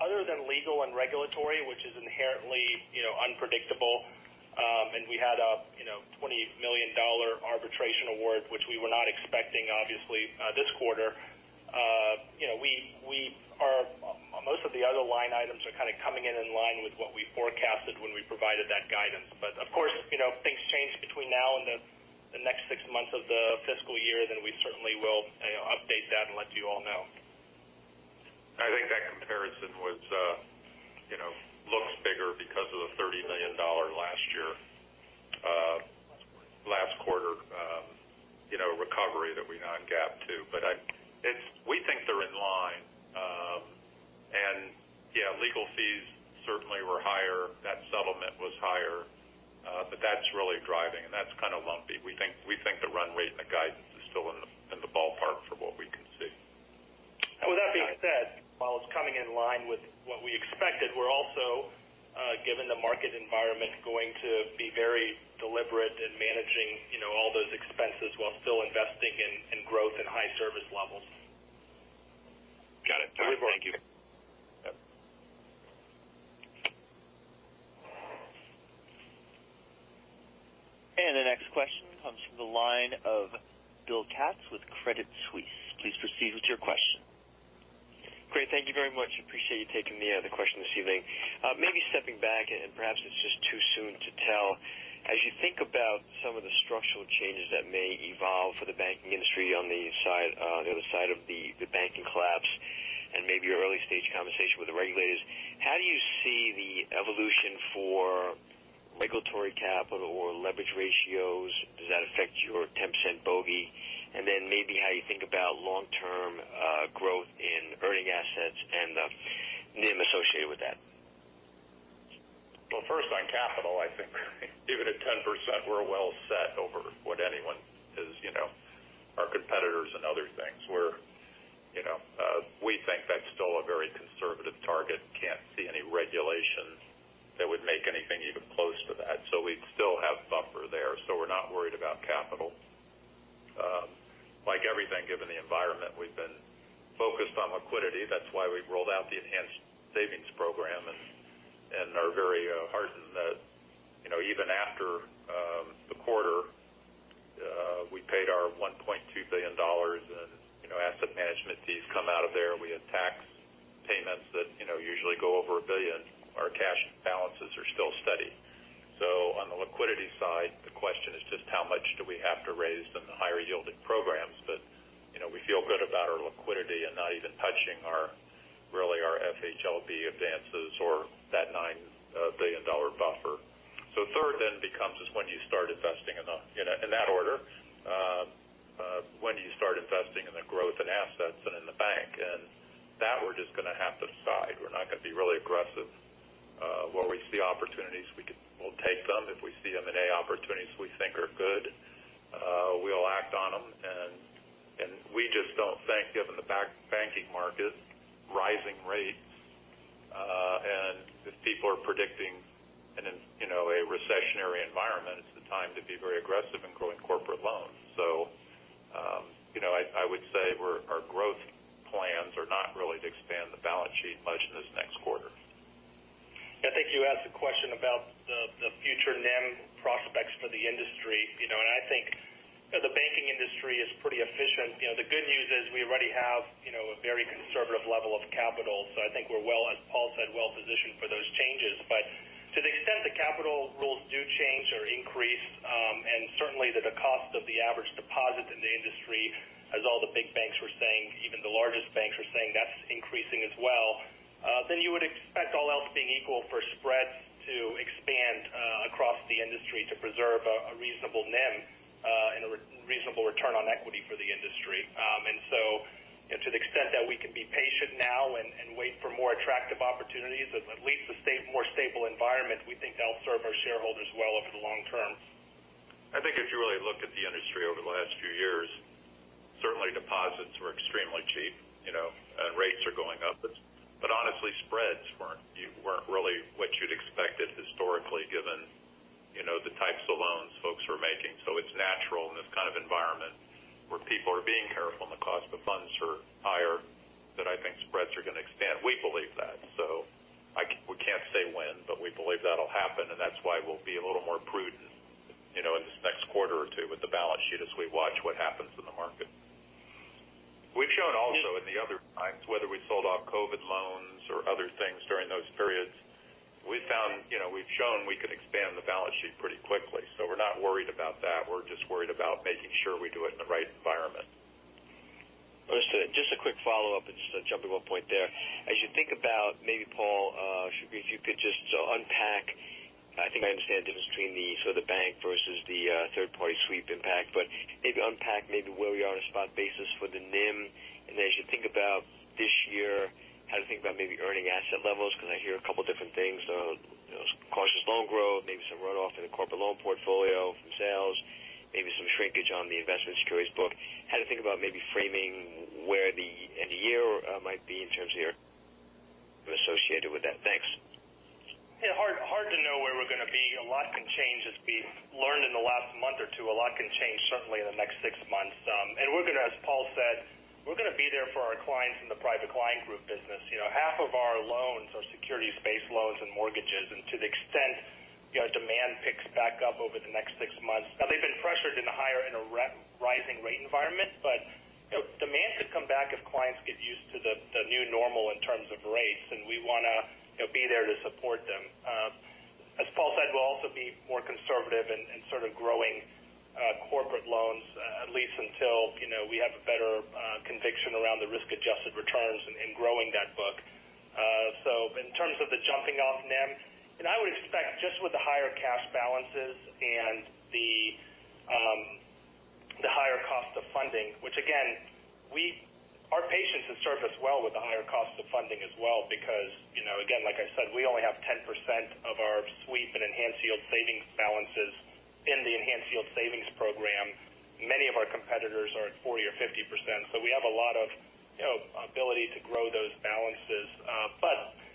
other than legal and regulatory, which is inherently, you know, unpredictable. We had a, you know, $20 million arbitration award, which we were not expecting obviously, this quarter. You know, Most of the other line items are kind of coming in in line with what we forecasted when we provided that guidance. Of course, you know, things change between now and the next 6 months of the fiscal year, we certainly will, you know, update that and let you all know. I think that comparison was, you know, looks bigger because of the $30 million last year, last quarter, you know, recovery that we non-GAAP too. We think they're in line. Yeah, legal fees certainly were higher. That settlement was higher. That's really driving, and that's kind of lumpy. We think the run rate and the guidance is still in the ballpark from what we can see. With that being said, while it's coming in line with what we expected, we're also, given the market environment, going to be very deliberate in managing, you know, all those expenses while still investing in growth and high service levels. Got it. Thank you. Yep. The next question comes from the line of Bill Katz with Credit Suisse. Please proceed with your question. Great. Thank you very much. Appreciate you taking the question this evening. Maybe stepping back, and perhaps it's just too soon to tell. As you think about some of the structural changes that may evolve for the banking industry on the side, the other side of the banking collapse and maybe your early stage conversation with the regulators, how do you see the evolution for regulatory capital or leverage ratios? Does that affect your 10% bogey? Maybe how you think about long-term growth in earning assets and the NIM associated with that? Well, first on capital, I think even at 10%, we're well set over what anyone is, you know, our competitors and other things. We're, you know, we think that's still a very conservative target. Can't see any regulations that would make anything even close to that. We'd still have buffer there. We're not worried about capital. Like everything given the environment, we've been focused on liquidity. That's why we rolled out the Enhanced Savings Program and are very heartened that, you know, even after the quarter, we paid our $1.2 billion in, you know, Asset Management fees come out of there. We had tax payments that, you know, usually go over $1 billion. Our cash balances are still steady. On the liquidity side, the question is just how much do we have to raise in the higher yielding programs. You know, we feel good about our liquidity and not even touching our, really our FHLB advances or that $9 billion dollar buffer. Third then becomes is when you start investing in that order. When do you start investing in the growth and assets and in the bank. That we're just gonna have to decide. We're not gonna be really aggressive. Where we see opportunities, we'll take them. If we see M&A opportunities we think are good, we'll act on them. We just don't think given the banking market, rising rates, and if people are predicting an, you know, a recessionary environment, it's the time to be very aggressive in growing corporate loans. You know, I would say our growth plans are not really to expand the balance sheet much in this next quarter. I think you asked a question about the future NIM prospects for the industry. You know, I think, you know, the banking industry is pretty efficient. You know, the good news is we already have, you know, a very conservative level of capital. I think we're well, as Paul said, well positioned for those changes. To the extent the capital rules do change or increase, and certainly that the cost of the average deposit in the industry, as all the big banks were saying, even the largest banks are saying that's increasing as well. You would expect all else being equal for spreads to expand across the industry to preserve a reasonable NIM, and a reasonable return on equity for the industry. You know, to the extent that we can be patient now and wait for more attractive opportunities at least a more stable environment, we think that'll serve our shareholders well over the long term. I think if you really look at the industry over the last few years, certainly deposits were extremely cheap, you know, and rates are going up. Honestly, spreads weren't really what you'd expect it historically given, you know, the types of loans folks were making. It's natural in this kind of environment where people are being careful and the cost of funds are higher, that I think spreads are gonna expand. We believe that. We can't say when, but we believe that'll happen, and that's why we'll be a little more prudent, you know, in this next quarter or two with the balance sheet as we watch what happens in the market. We've shown also in the other times whether we sold off COVID loans or other things during those periods. We found, you know, we've shown we can expand the balance sheet pretty quickly, so we're not worried about that. We're just worried about making sure we do it in the right environment. Just a quick follow-up and just to jump on one point there. As you think about maybe, Paul, if you could just unpack. I think I understand the difference between the sort of bank versus the third party sweep impact. But maybe unpack maybe where we are on a spot basis for the NIM. And as you think about this year, how to think about maybe earning asset levels because I hear a couple different things. You know, cautious loan growth, maybe some runoff in the corporate loan portfolio from sales. Maybe some shrinkage on the investment securities book. How to think about maybe framing where the end of year might be in terms of your associated with that? Thanks. Yeah, hard to know where we're gonna be. A lot can change, as we've learned in the last month or 2. A lot can change certainly in the next 6 months. We're gonna, as Paul said, we're gonna be there for our clients in the Private Client Group business. You know, half of our loans are securities-based loans and mortgages. To the extent, you know, demand picks back up over the next 6 months. Now, they've been pressured in a higher, in a rising rate environment. You know, demand could come back if clients get used to the new normal in terms of rates, and we wanna, you know, be there to support them. As Paul Reilly said, we'll also be more conservative in sort of growing corporate loans, at least until, you know, we have a better conviction around the risk-adjusted returns in growing that book. In terms of the jumping off NIM, and I would expect just with the higher cash balances and the higher cost of funding. Which again, our patience has served us well with the higher cost of funding as well because, you know, again, like I said, we only have 10% of our sweep and enhanced yield savings balances in the Enhanced Savings Program. Many of our competitors are at 40% or 50%. We have a lot of, you know, ability to grow those balances.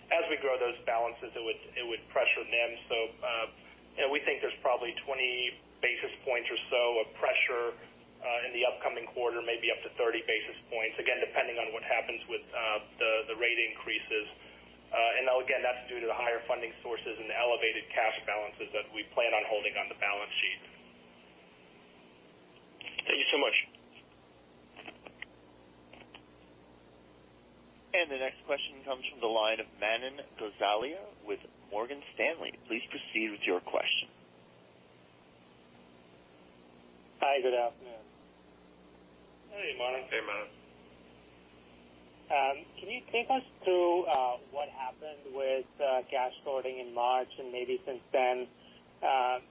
As we grow those balances, it would pressure NIM. You know, we think there's probably 20 basis points or so of pressure in the upcoming quarter, maybe up to 30 basis points. Depending on what happens with the rate increases. That's due to the higher funding sources and the elevated cash balances that we plan on holding on the balance sheet. Thank you so much. The next question comes from the line of Manan Gosalia with Morgan Stanley. Please proceed with your question. Hi. Good afternoon. Hey, Manan. Hey, Manan. Can you take us through what happened with cash sorting in March and maybe since then? I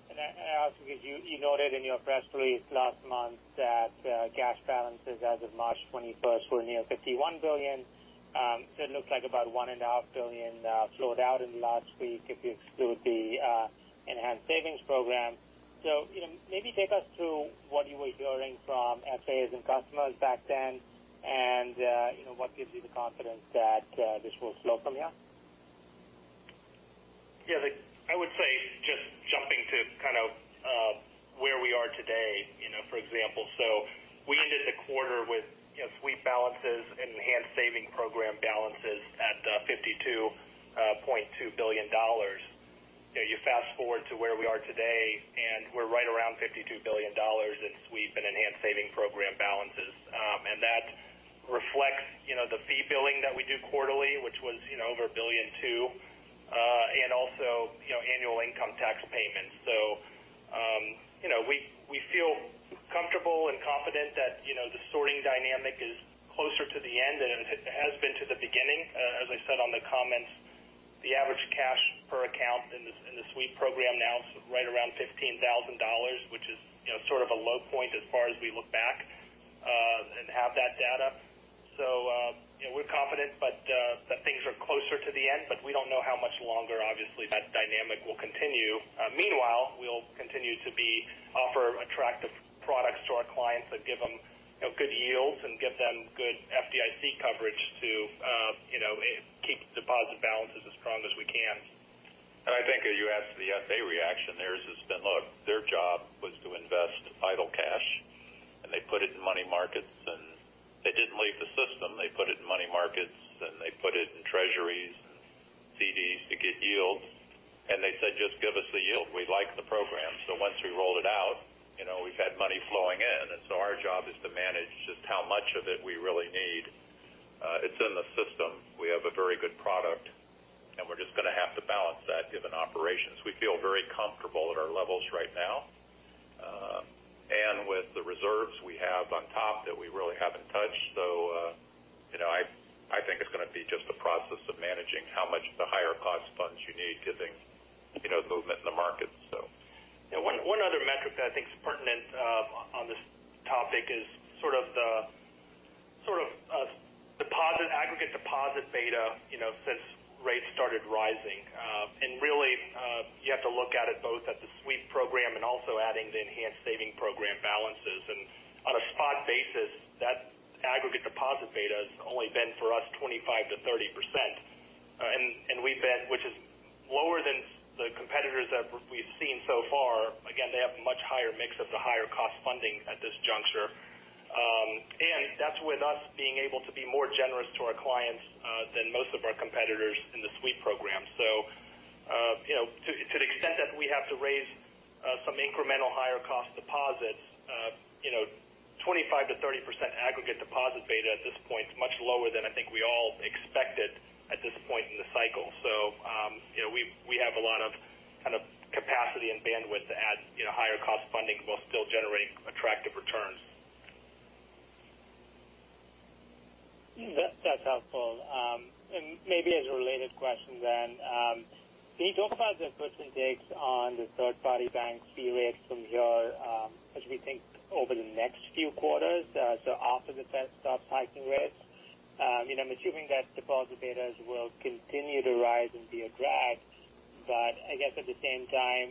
ask because you noted in your press release last month that cash balances as of March 21st were near $51 billion. It looks like about $1.5 billion flowed out in the last week if you exclude the Enhanced Savings Program. You know, maybe take us through what you were hearing from FAs and customers back then and, you know, what gives you the confidence that this will slow from here? I would say just jumping to kind of, where we are today, you know, for example. We ended the quarter with, you know, sweep balances and Enhanced Savings Program balances at $52.2 billion. You know, you fast-forward to where we are today, we're right around $52 billion in sweep and Enhanced Savings Program balances. That reflects, you know, the fee billing that we do quarterly, which was, you know, over $1.2 billion, and also, you know, annual income tax payments. We feel comfortable and confident that, you know, the sorting dynamic is closer to the end than it has been to the beginning. As I said on the comments, the average cash per account in the sweep program now is right around $15,000, which is, you know, sort of a low point as far as we look back and have that data. You know, we're confident, but that things are closer to the end, but we don't know how much longer, obviously, that dynamic will continue. Meanwhile, we'll continue to offer attractive products to our clients that give them, you know, good yields and get them good FDIC coverage to, you know, keep deposit balances as strong as we can. I think you asked the FA reaction. Theirs has been, look, their job was to invest idle cash, and they put it in money markets, and they didn't leave the system. They put it in money markets, and they put it in treasuries and CDs to get yields. They said, "Just give us the yield. We like the program." Once we rolled it out, you know, we've had money flowing in. Our job is to manage just how much of it we really need. It's in the system. We have a very good product, and we're just gonna have to balance that given operations. We feel very comfortable at our levels right now, and with the reserves we have on top that we really haven't touched. You know, I think it's gonna be just the process of managing how much the higher cost funds you need given, you know, the movement in the market, so. One other metric that I think is pertinent on this topic is sort of the deposit, aggregate deposit beta, you know, since rates started rising. Really, you have to look at it both at the sweep program and also adding the Enhanced Savings Program balances. On a spot basis, that aggregate deposit beta has only been for us 25%-30%. We've been, which is lower than the competitors that we've seen so far. Again, they have a much higher mix of the higher cost funding at this juncture. That's with us being able to be more generous to our clients than most of our competitors in the sweep program. You know, to the extent that we have to raise, some incremental higher cost deposits, you know, 25%-30% aggregate deposit beta at this point is much lower than I think we all expected at this point in the cycle. You know, we have a lot of kind of capacity and bandwidth to add, you know, higher cost funding while still generating attractive returns. That's helpful. Maybe as a related question then, can you talk about the person takes on the third-party bank fee rates from your, as we think over the next few quarters, after the Fed starts hiking rates? I'm assuming that deposit betas will continue to rise and be a drag, but I guess at the same time,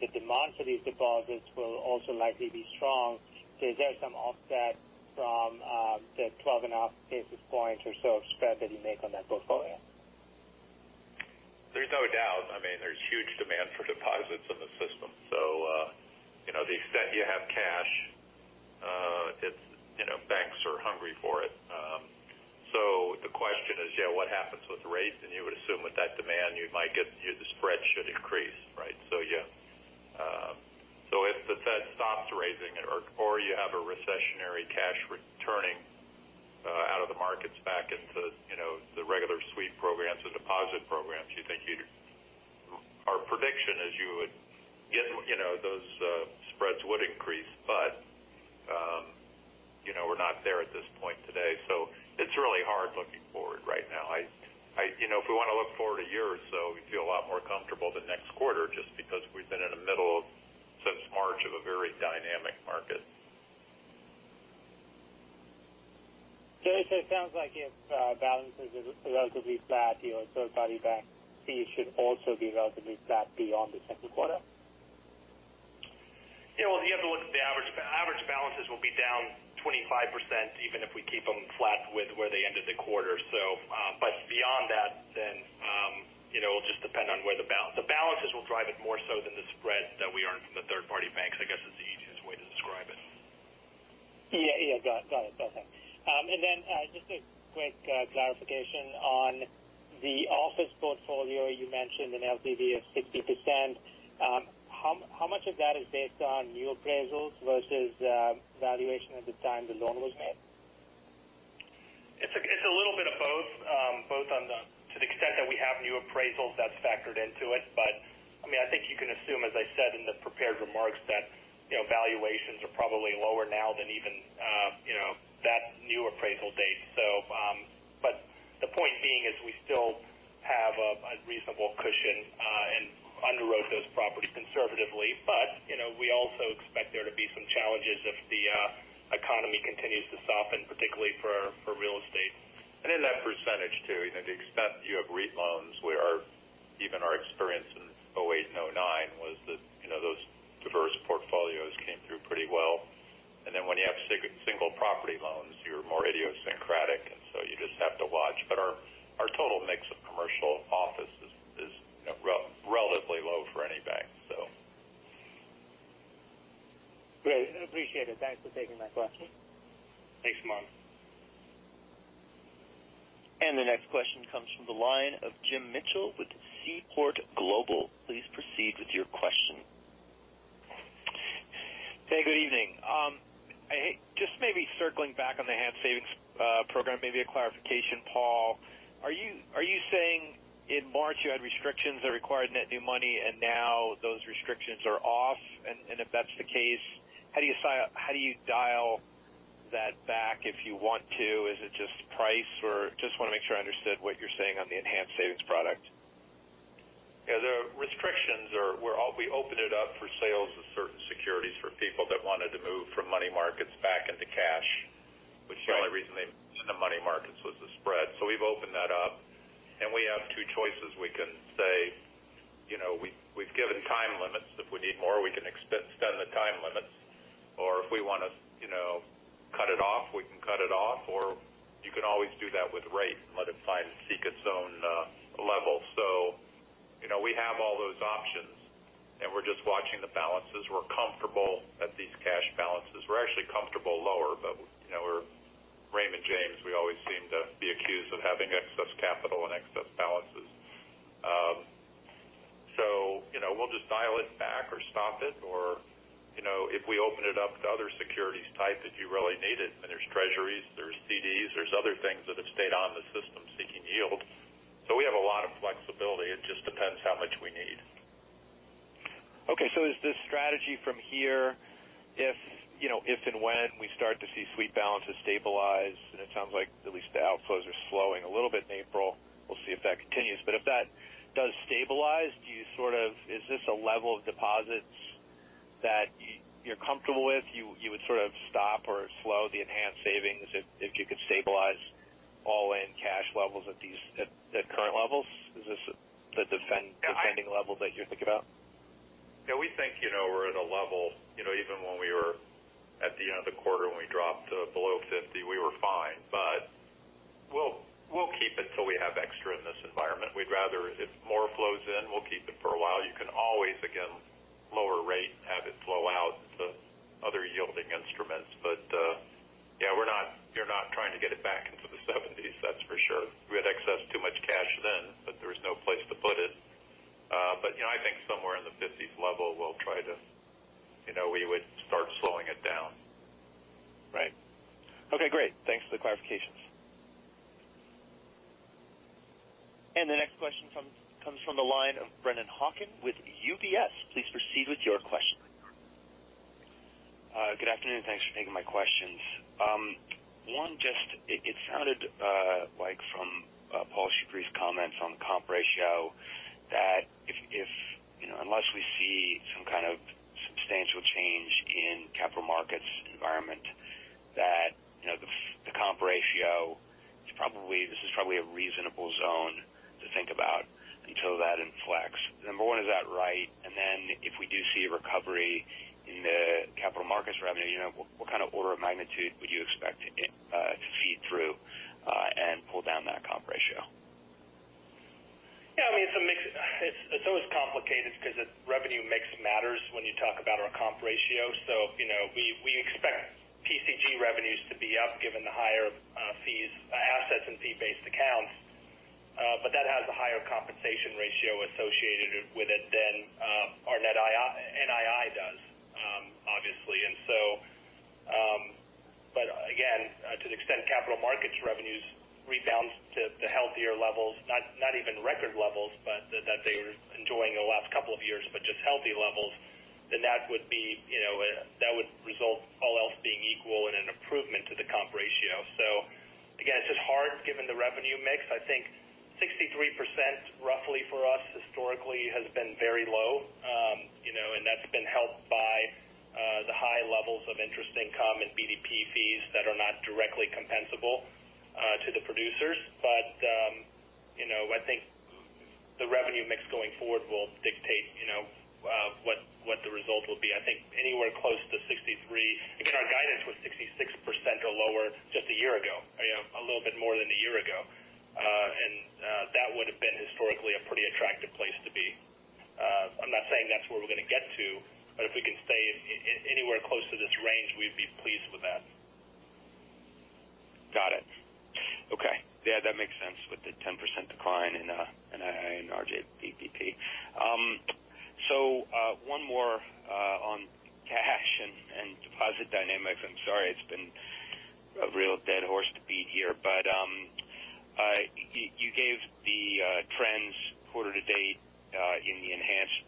the demand for these deposits will also likely be strong. Is there some offset from the 12.5 basis points or so of spread that you make on that portfolio? There's no doubt. I mean, there's huge demand for deposits in the system. you know, the extent you have cash, it's, you know, banks are hungry for it. The question is, yeah, what happens with rates? You would assume with that demand, the spread should increase, right? Yeah. If the Fed stops raising or you have a recessionary cash returning out of the markets back into, you know, the regular sweep programs, the deposit programs, Our prediction is you would get, you know, those spreads would increase, but, you know, we're not there at this point today. It's really hard looking forward right now. I, you know, if we want to look forward a year or so, we feel a lot more comfortable than next quarter just because we've been in the middle of since March of a very dynamic market. It sounds like if balances are relatively flat, your third-party bank fees should also be relatively flat beyond the second quarter. Yeah. Well, you have to look at the average. Average balances will be down 25% even if we keep them flat with where they ended the quarter. Beyond that, you know, it'll just depend on where the balances will drive it more so than the spread that we earn from the third-party banks, I guess, is the easiest way to describe it. Yeah. Yeah. Got it. Okay. Just a quick clarification on the office portfolio. You mentioned an LTV of 60%. How much of that is based on new appraisals versus valuation at the time the loan was made? It's a little bit of both. Both on the, to the extent that we have new appraisals, that's factored into it. I mean, I think you can assume, as I said in the prepared remarks, that, you know, valuations are probably lower now than even, you know, that new appraisal date. Still have a reasonable cushion, and underwrote those properties conservatively. You know, we also expect there to be some challenges if the economy continues to soften, particularly for real estate. In that percentage too, you know, to the extent you have REIT loans where even our experience in 2008 and 2009 was that, you know, those diverse portfolios came through pretty well. When you have single property loans, you're more idiosyncratic, you just have to watch. Our total mix of commercial office is relatively low for any bank. Great. I appreciate it. Thanks for taking my question. Thanks, Monty. The next question comes from the line of Jim Mitchell with Seaport Global. Please proceed with your question. Hey, good evening. just maybe circling back on the Enhanced Savings Program, maybe a clarification, Paul? Are you saying in March you had restrictions that required net new money, and now those restrictions are off? If that's the case, how do you dial that back if you want to? Is it just price or just wanna make sure I understood what you're saying on the Enhanced Savings Program? Yeah, the restrictions are where all we open it up for sales of certain securities for people that wanted to move from money markets back into cash. Right. The only reason they moved into money markets was the spread. We've opened that up, and we have two choices. We can say, you know, we've given time limits. If we need more, we can extend the time limits, or if we want to, you know, cut it off, we can cut it off. You can always do that with rate and let it find and seek its own level. You know, we have all those options, and we're just watching the balances. We're comfortable at these cash balances. We're actually comfortable lower, but, you know, we're Raymond James. We always seem to be accused of having excess capital and excess balances. you know, we'll just dial it back or stop it or, you know, if we open it up to other securities type, if you really need it, there's treasuries, there's CDs, there's other things that have stayed on the system seeking yield. We have a lot of flexibility. It just depends how much we need. Is this strategy from here if, you know, if and when we start to see sweep balances stabilize, and it sounds like at least the outflows are slowing a little bit in April. We'll see if that continues. If that does stabilize, do you sort of? Is this a level of deposits that you're comfortable with? You would sort of stop or slow the Enhanced Savings if you could stabilize all-in cash levels at these, at current levels? Is this the defending levels that you're thinking about? Yeah, we think, you know, we're at a level, you know, even when we were at the end of the quarter when we dropped below 50, we were fine. We'll keep it till we have extra in this environment. We'd rather if more flows in, we'll keep it for a while. You can always, again, lower rate and have it flow out to other yielding instruments. Yeah, we're not trying to get it back into the 70s, that's for sure. We had excess too much cash then, but there was no place to put it. You know, I think somewhere in the 50s level, we'll try to. You know, we would start slowing it down. Right. Okay, great. Thanks for the clarifications. The next question comes from the line of Brennan Hawken with UBS. Please proceed with your question. Good afternoon. Thanks for taking my questions. One, just it sounded like from Paul Shoukry's comments on comp ratio, that if, you know, unless we see some kind of substantial change in Capital Markets environment, that, you know, the comp ratio is probably, this is probably a reasonable zone to think about until that inflects. Number one, is that right? If we do see a recovery in the Capital Markets revenue, you know, what kind of order of magnitude would you expect it, to feed through, and pull down that comp ratio? Yeah, I mean, it's a mix. It's always complicated because the revenue mix matters when you talk about our comp ratio. You know, we expect PCG revenues to be up given the higher fees, assets in fee-based accounts. That has a higher compensation ratio associated with it than our NII does, obviously. Again, to the extent Capital Markets revenues rebounds to healthier levels, not even record levels, but that they were enjoying the last couple of years, but just healthy levels, then that would be, you know, that would result all else being equal and an improvement to the comp ratio. Again, it's just hard given the revenue mix. I think 63% roughly for us historically has been very low. You know, and that's been helped by the high levels of interest income and BDP fees that are not directly compensable to the producers. You know, I think the revenue mix going forward will dictate, you know, what the result will be. I think anywhere close to 63... Even our guidance was 66% or lower just a year ago, you know, a little bit more than a year ago. That would have been historically a pretty attractive place to be. I'm not saying that's where we're gonna get to, but if we can stay anywhere close to this range, we'd be pleased with that. Got it. Okay. Yeah, that makes sense with the 10% decline in NII and RJBDP. One more on cash and deposit dynamics. I'm sorry, it's been a real dead horse to beat here, but you gave the trends quarter to date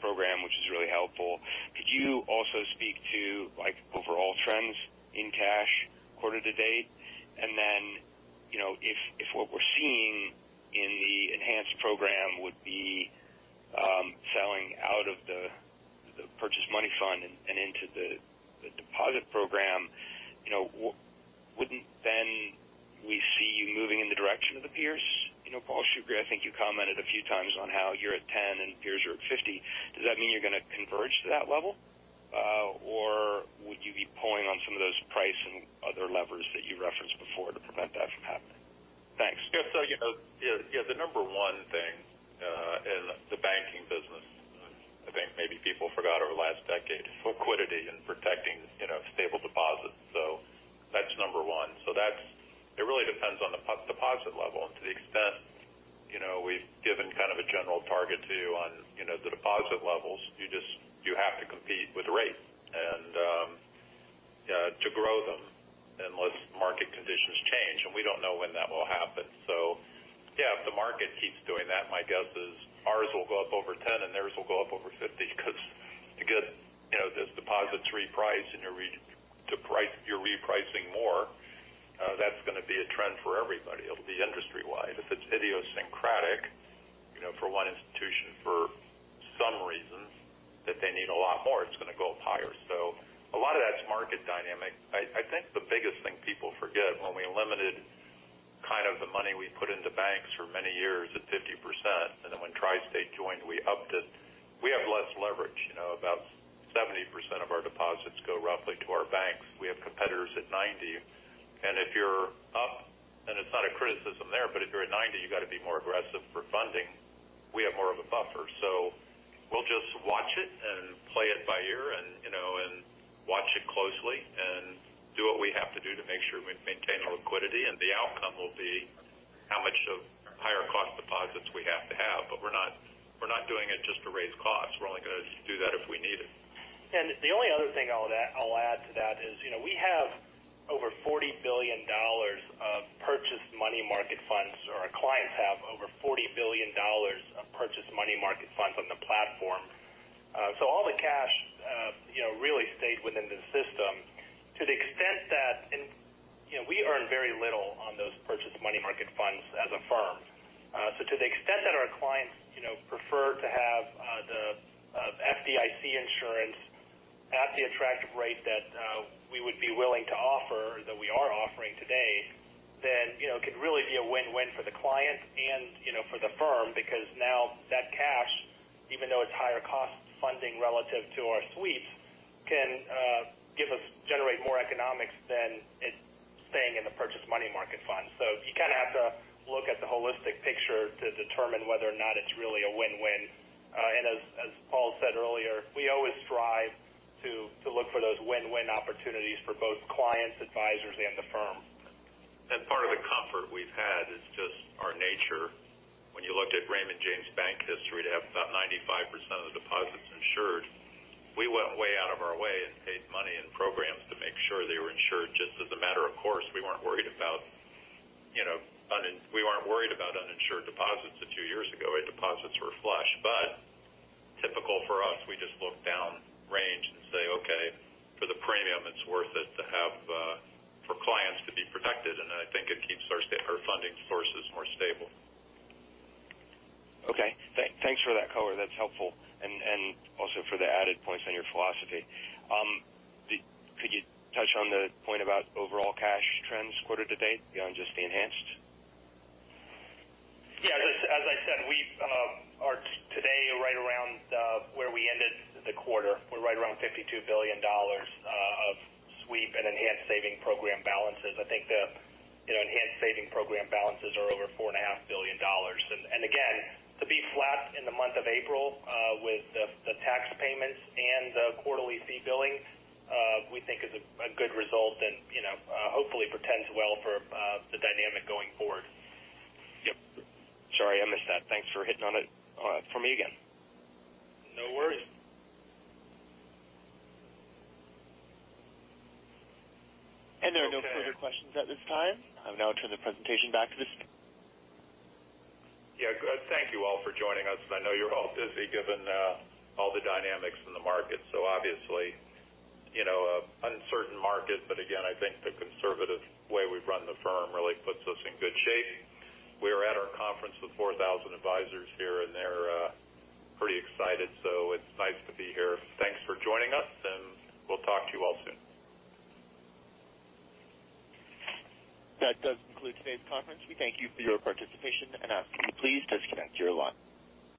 program, which is really helpful. Could you also speak to like overall trends in cash quarter to date? You know, if what we're seeing in the Enhanced program would be selling out of the purchase money fund and into the deposit program. You know, wouldn't then we see you moving in the direction of the peers? You know, Paul Shoukry, I think you commented a few times on how you're at 10 and peers are at 50. Does that mean you're going to converge to that level? Would you be pulling on some of those price and other levers that you referenced before to prevent that from happening? Thanks. You know, the number one thing in the banking business, I think maybe people forgot over the last decade, is liquidity and protecting, you know, stable deposits. That's number one. That's, it really depends on the deposit level. To the extent, you know, we've given kind of a general target to you on, you know, the deposit levels. You just, you have to compete with rate to grow them unless market conditions change. We don't know when that will happen. If the market keeps doing that, my guess is ours will go up over 10 and theirs will go up over 50 because to get, you know, those deposits repriced and you're repricing more, that's going to be a trend for everybody. It'll be industry wide. If it's idiosyncratic, you know, for one institution for some reasons that they need a lot more, it's going to go up higher. A lot of that's market dynamic. I think the biggest thing people forget when we limited kind of the money we put into banks for many years at 50%, and then when TriState joined, we upped it. We have less leverage. You know, about 70% of our deposits go roughly to our banks. We have competitors at 90. If you're up, and it's not a criticism there, but if you're at 90, you got to be more aggressive for funding. We have more of a buffer. We'll just watch it and play it by ear and, you know, and watch it closely and do what we have to do to make sure we maintain liquidity. The outcome will be how much of higher cost deposits we have to have. We're not doing it just to raise costs. We're only going to do that if we need it. The only other thing I'll add to that is, you know, we have over $40 billion of purchase money market funds, or our clients have over $40 billion of purchase money market funds on the platform. All the cash, you know, really stayed within the system to the extent that. You know, we earn very little on those purchase money market funds as a firm. To the extent that our clients, you know, prefer to have the FDIC insurance at the attractive rate that we would be willing to offer that we are offering today, it could really be a win-win for the client and, you know, for the firm, because now that cash, even though it's higher cost funding relative to our sweeps, can generate more economics than it staying in the purchase money market fund. You kind of have to look at the holistic picture to determine whether or not it's really a win-win. As Paul said earlier, we always strive to look for those win-win opportunities for both clients, advisors and the firm. Part of the comfort we've had is just our nature. When you looked at Raymond James Bank history, to have about 95% of the deposits insured, we went way out of our way and paid money in programs to make sure they were insured. Just as a matter of course, we weren't worried about, you know, we weren't worried about uninsured deposits the 2 years ago when deposits were flush. Typical for us, we just look down range and say, okay, for the premium, it's worth it to have for clients to be protected. I think it keeps our funding sources more stable. Okay. thanks for that color. That's helpful. Also for the added points on your philosophy. could you touch on the point about overall cash trends quarter to date beyond just the Enhanced? Yeah. As I said, we are today right around where we ended the quarter. We're right around $52 billion of sweep and Enhanced Savings Program balances. I think the, you know, Enhanced Savings Program balances are over $4.5 billion. Again, to be flat in the month of April, with the tax payments and the quarterly fee billing, we think is a good result and, you know, hopefully portends well for the dynamic going forward. Yep. Sorry, I missed that. Thanks for hitting on it for me again. No worries. There are no further questions at this time. I'll now turn the presentation back to the Yeah. Good. Thank you all for joining us. I know you're all busy given all the dynamics in the market, so obviously, you know, uncertain market. Again, I think the conservative way we've run the firm really puts us in good shape. We are at our conference with 4,000 advisors here, and they're pretty excited, so it's nice to be here. Thanks for joining us. We'll talk to you all soon. That does conclude today's conference. We thank you for your participation and ask you to please disconnect your line.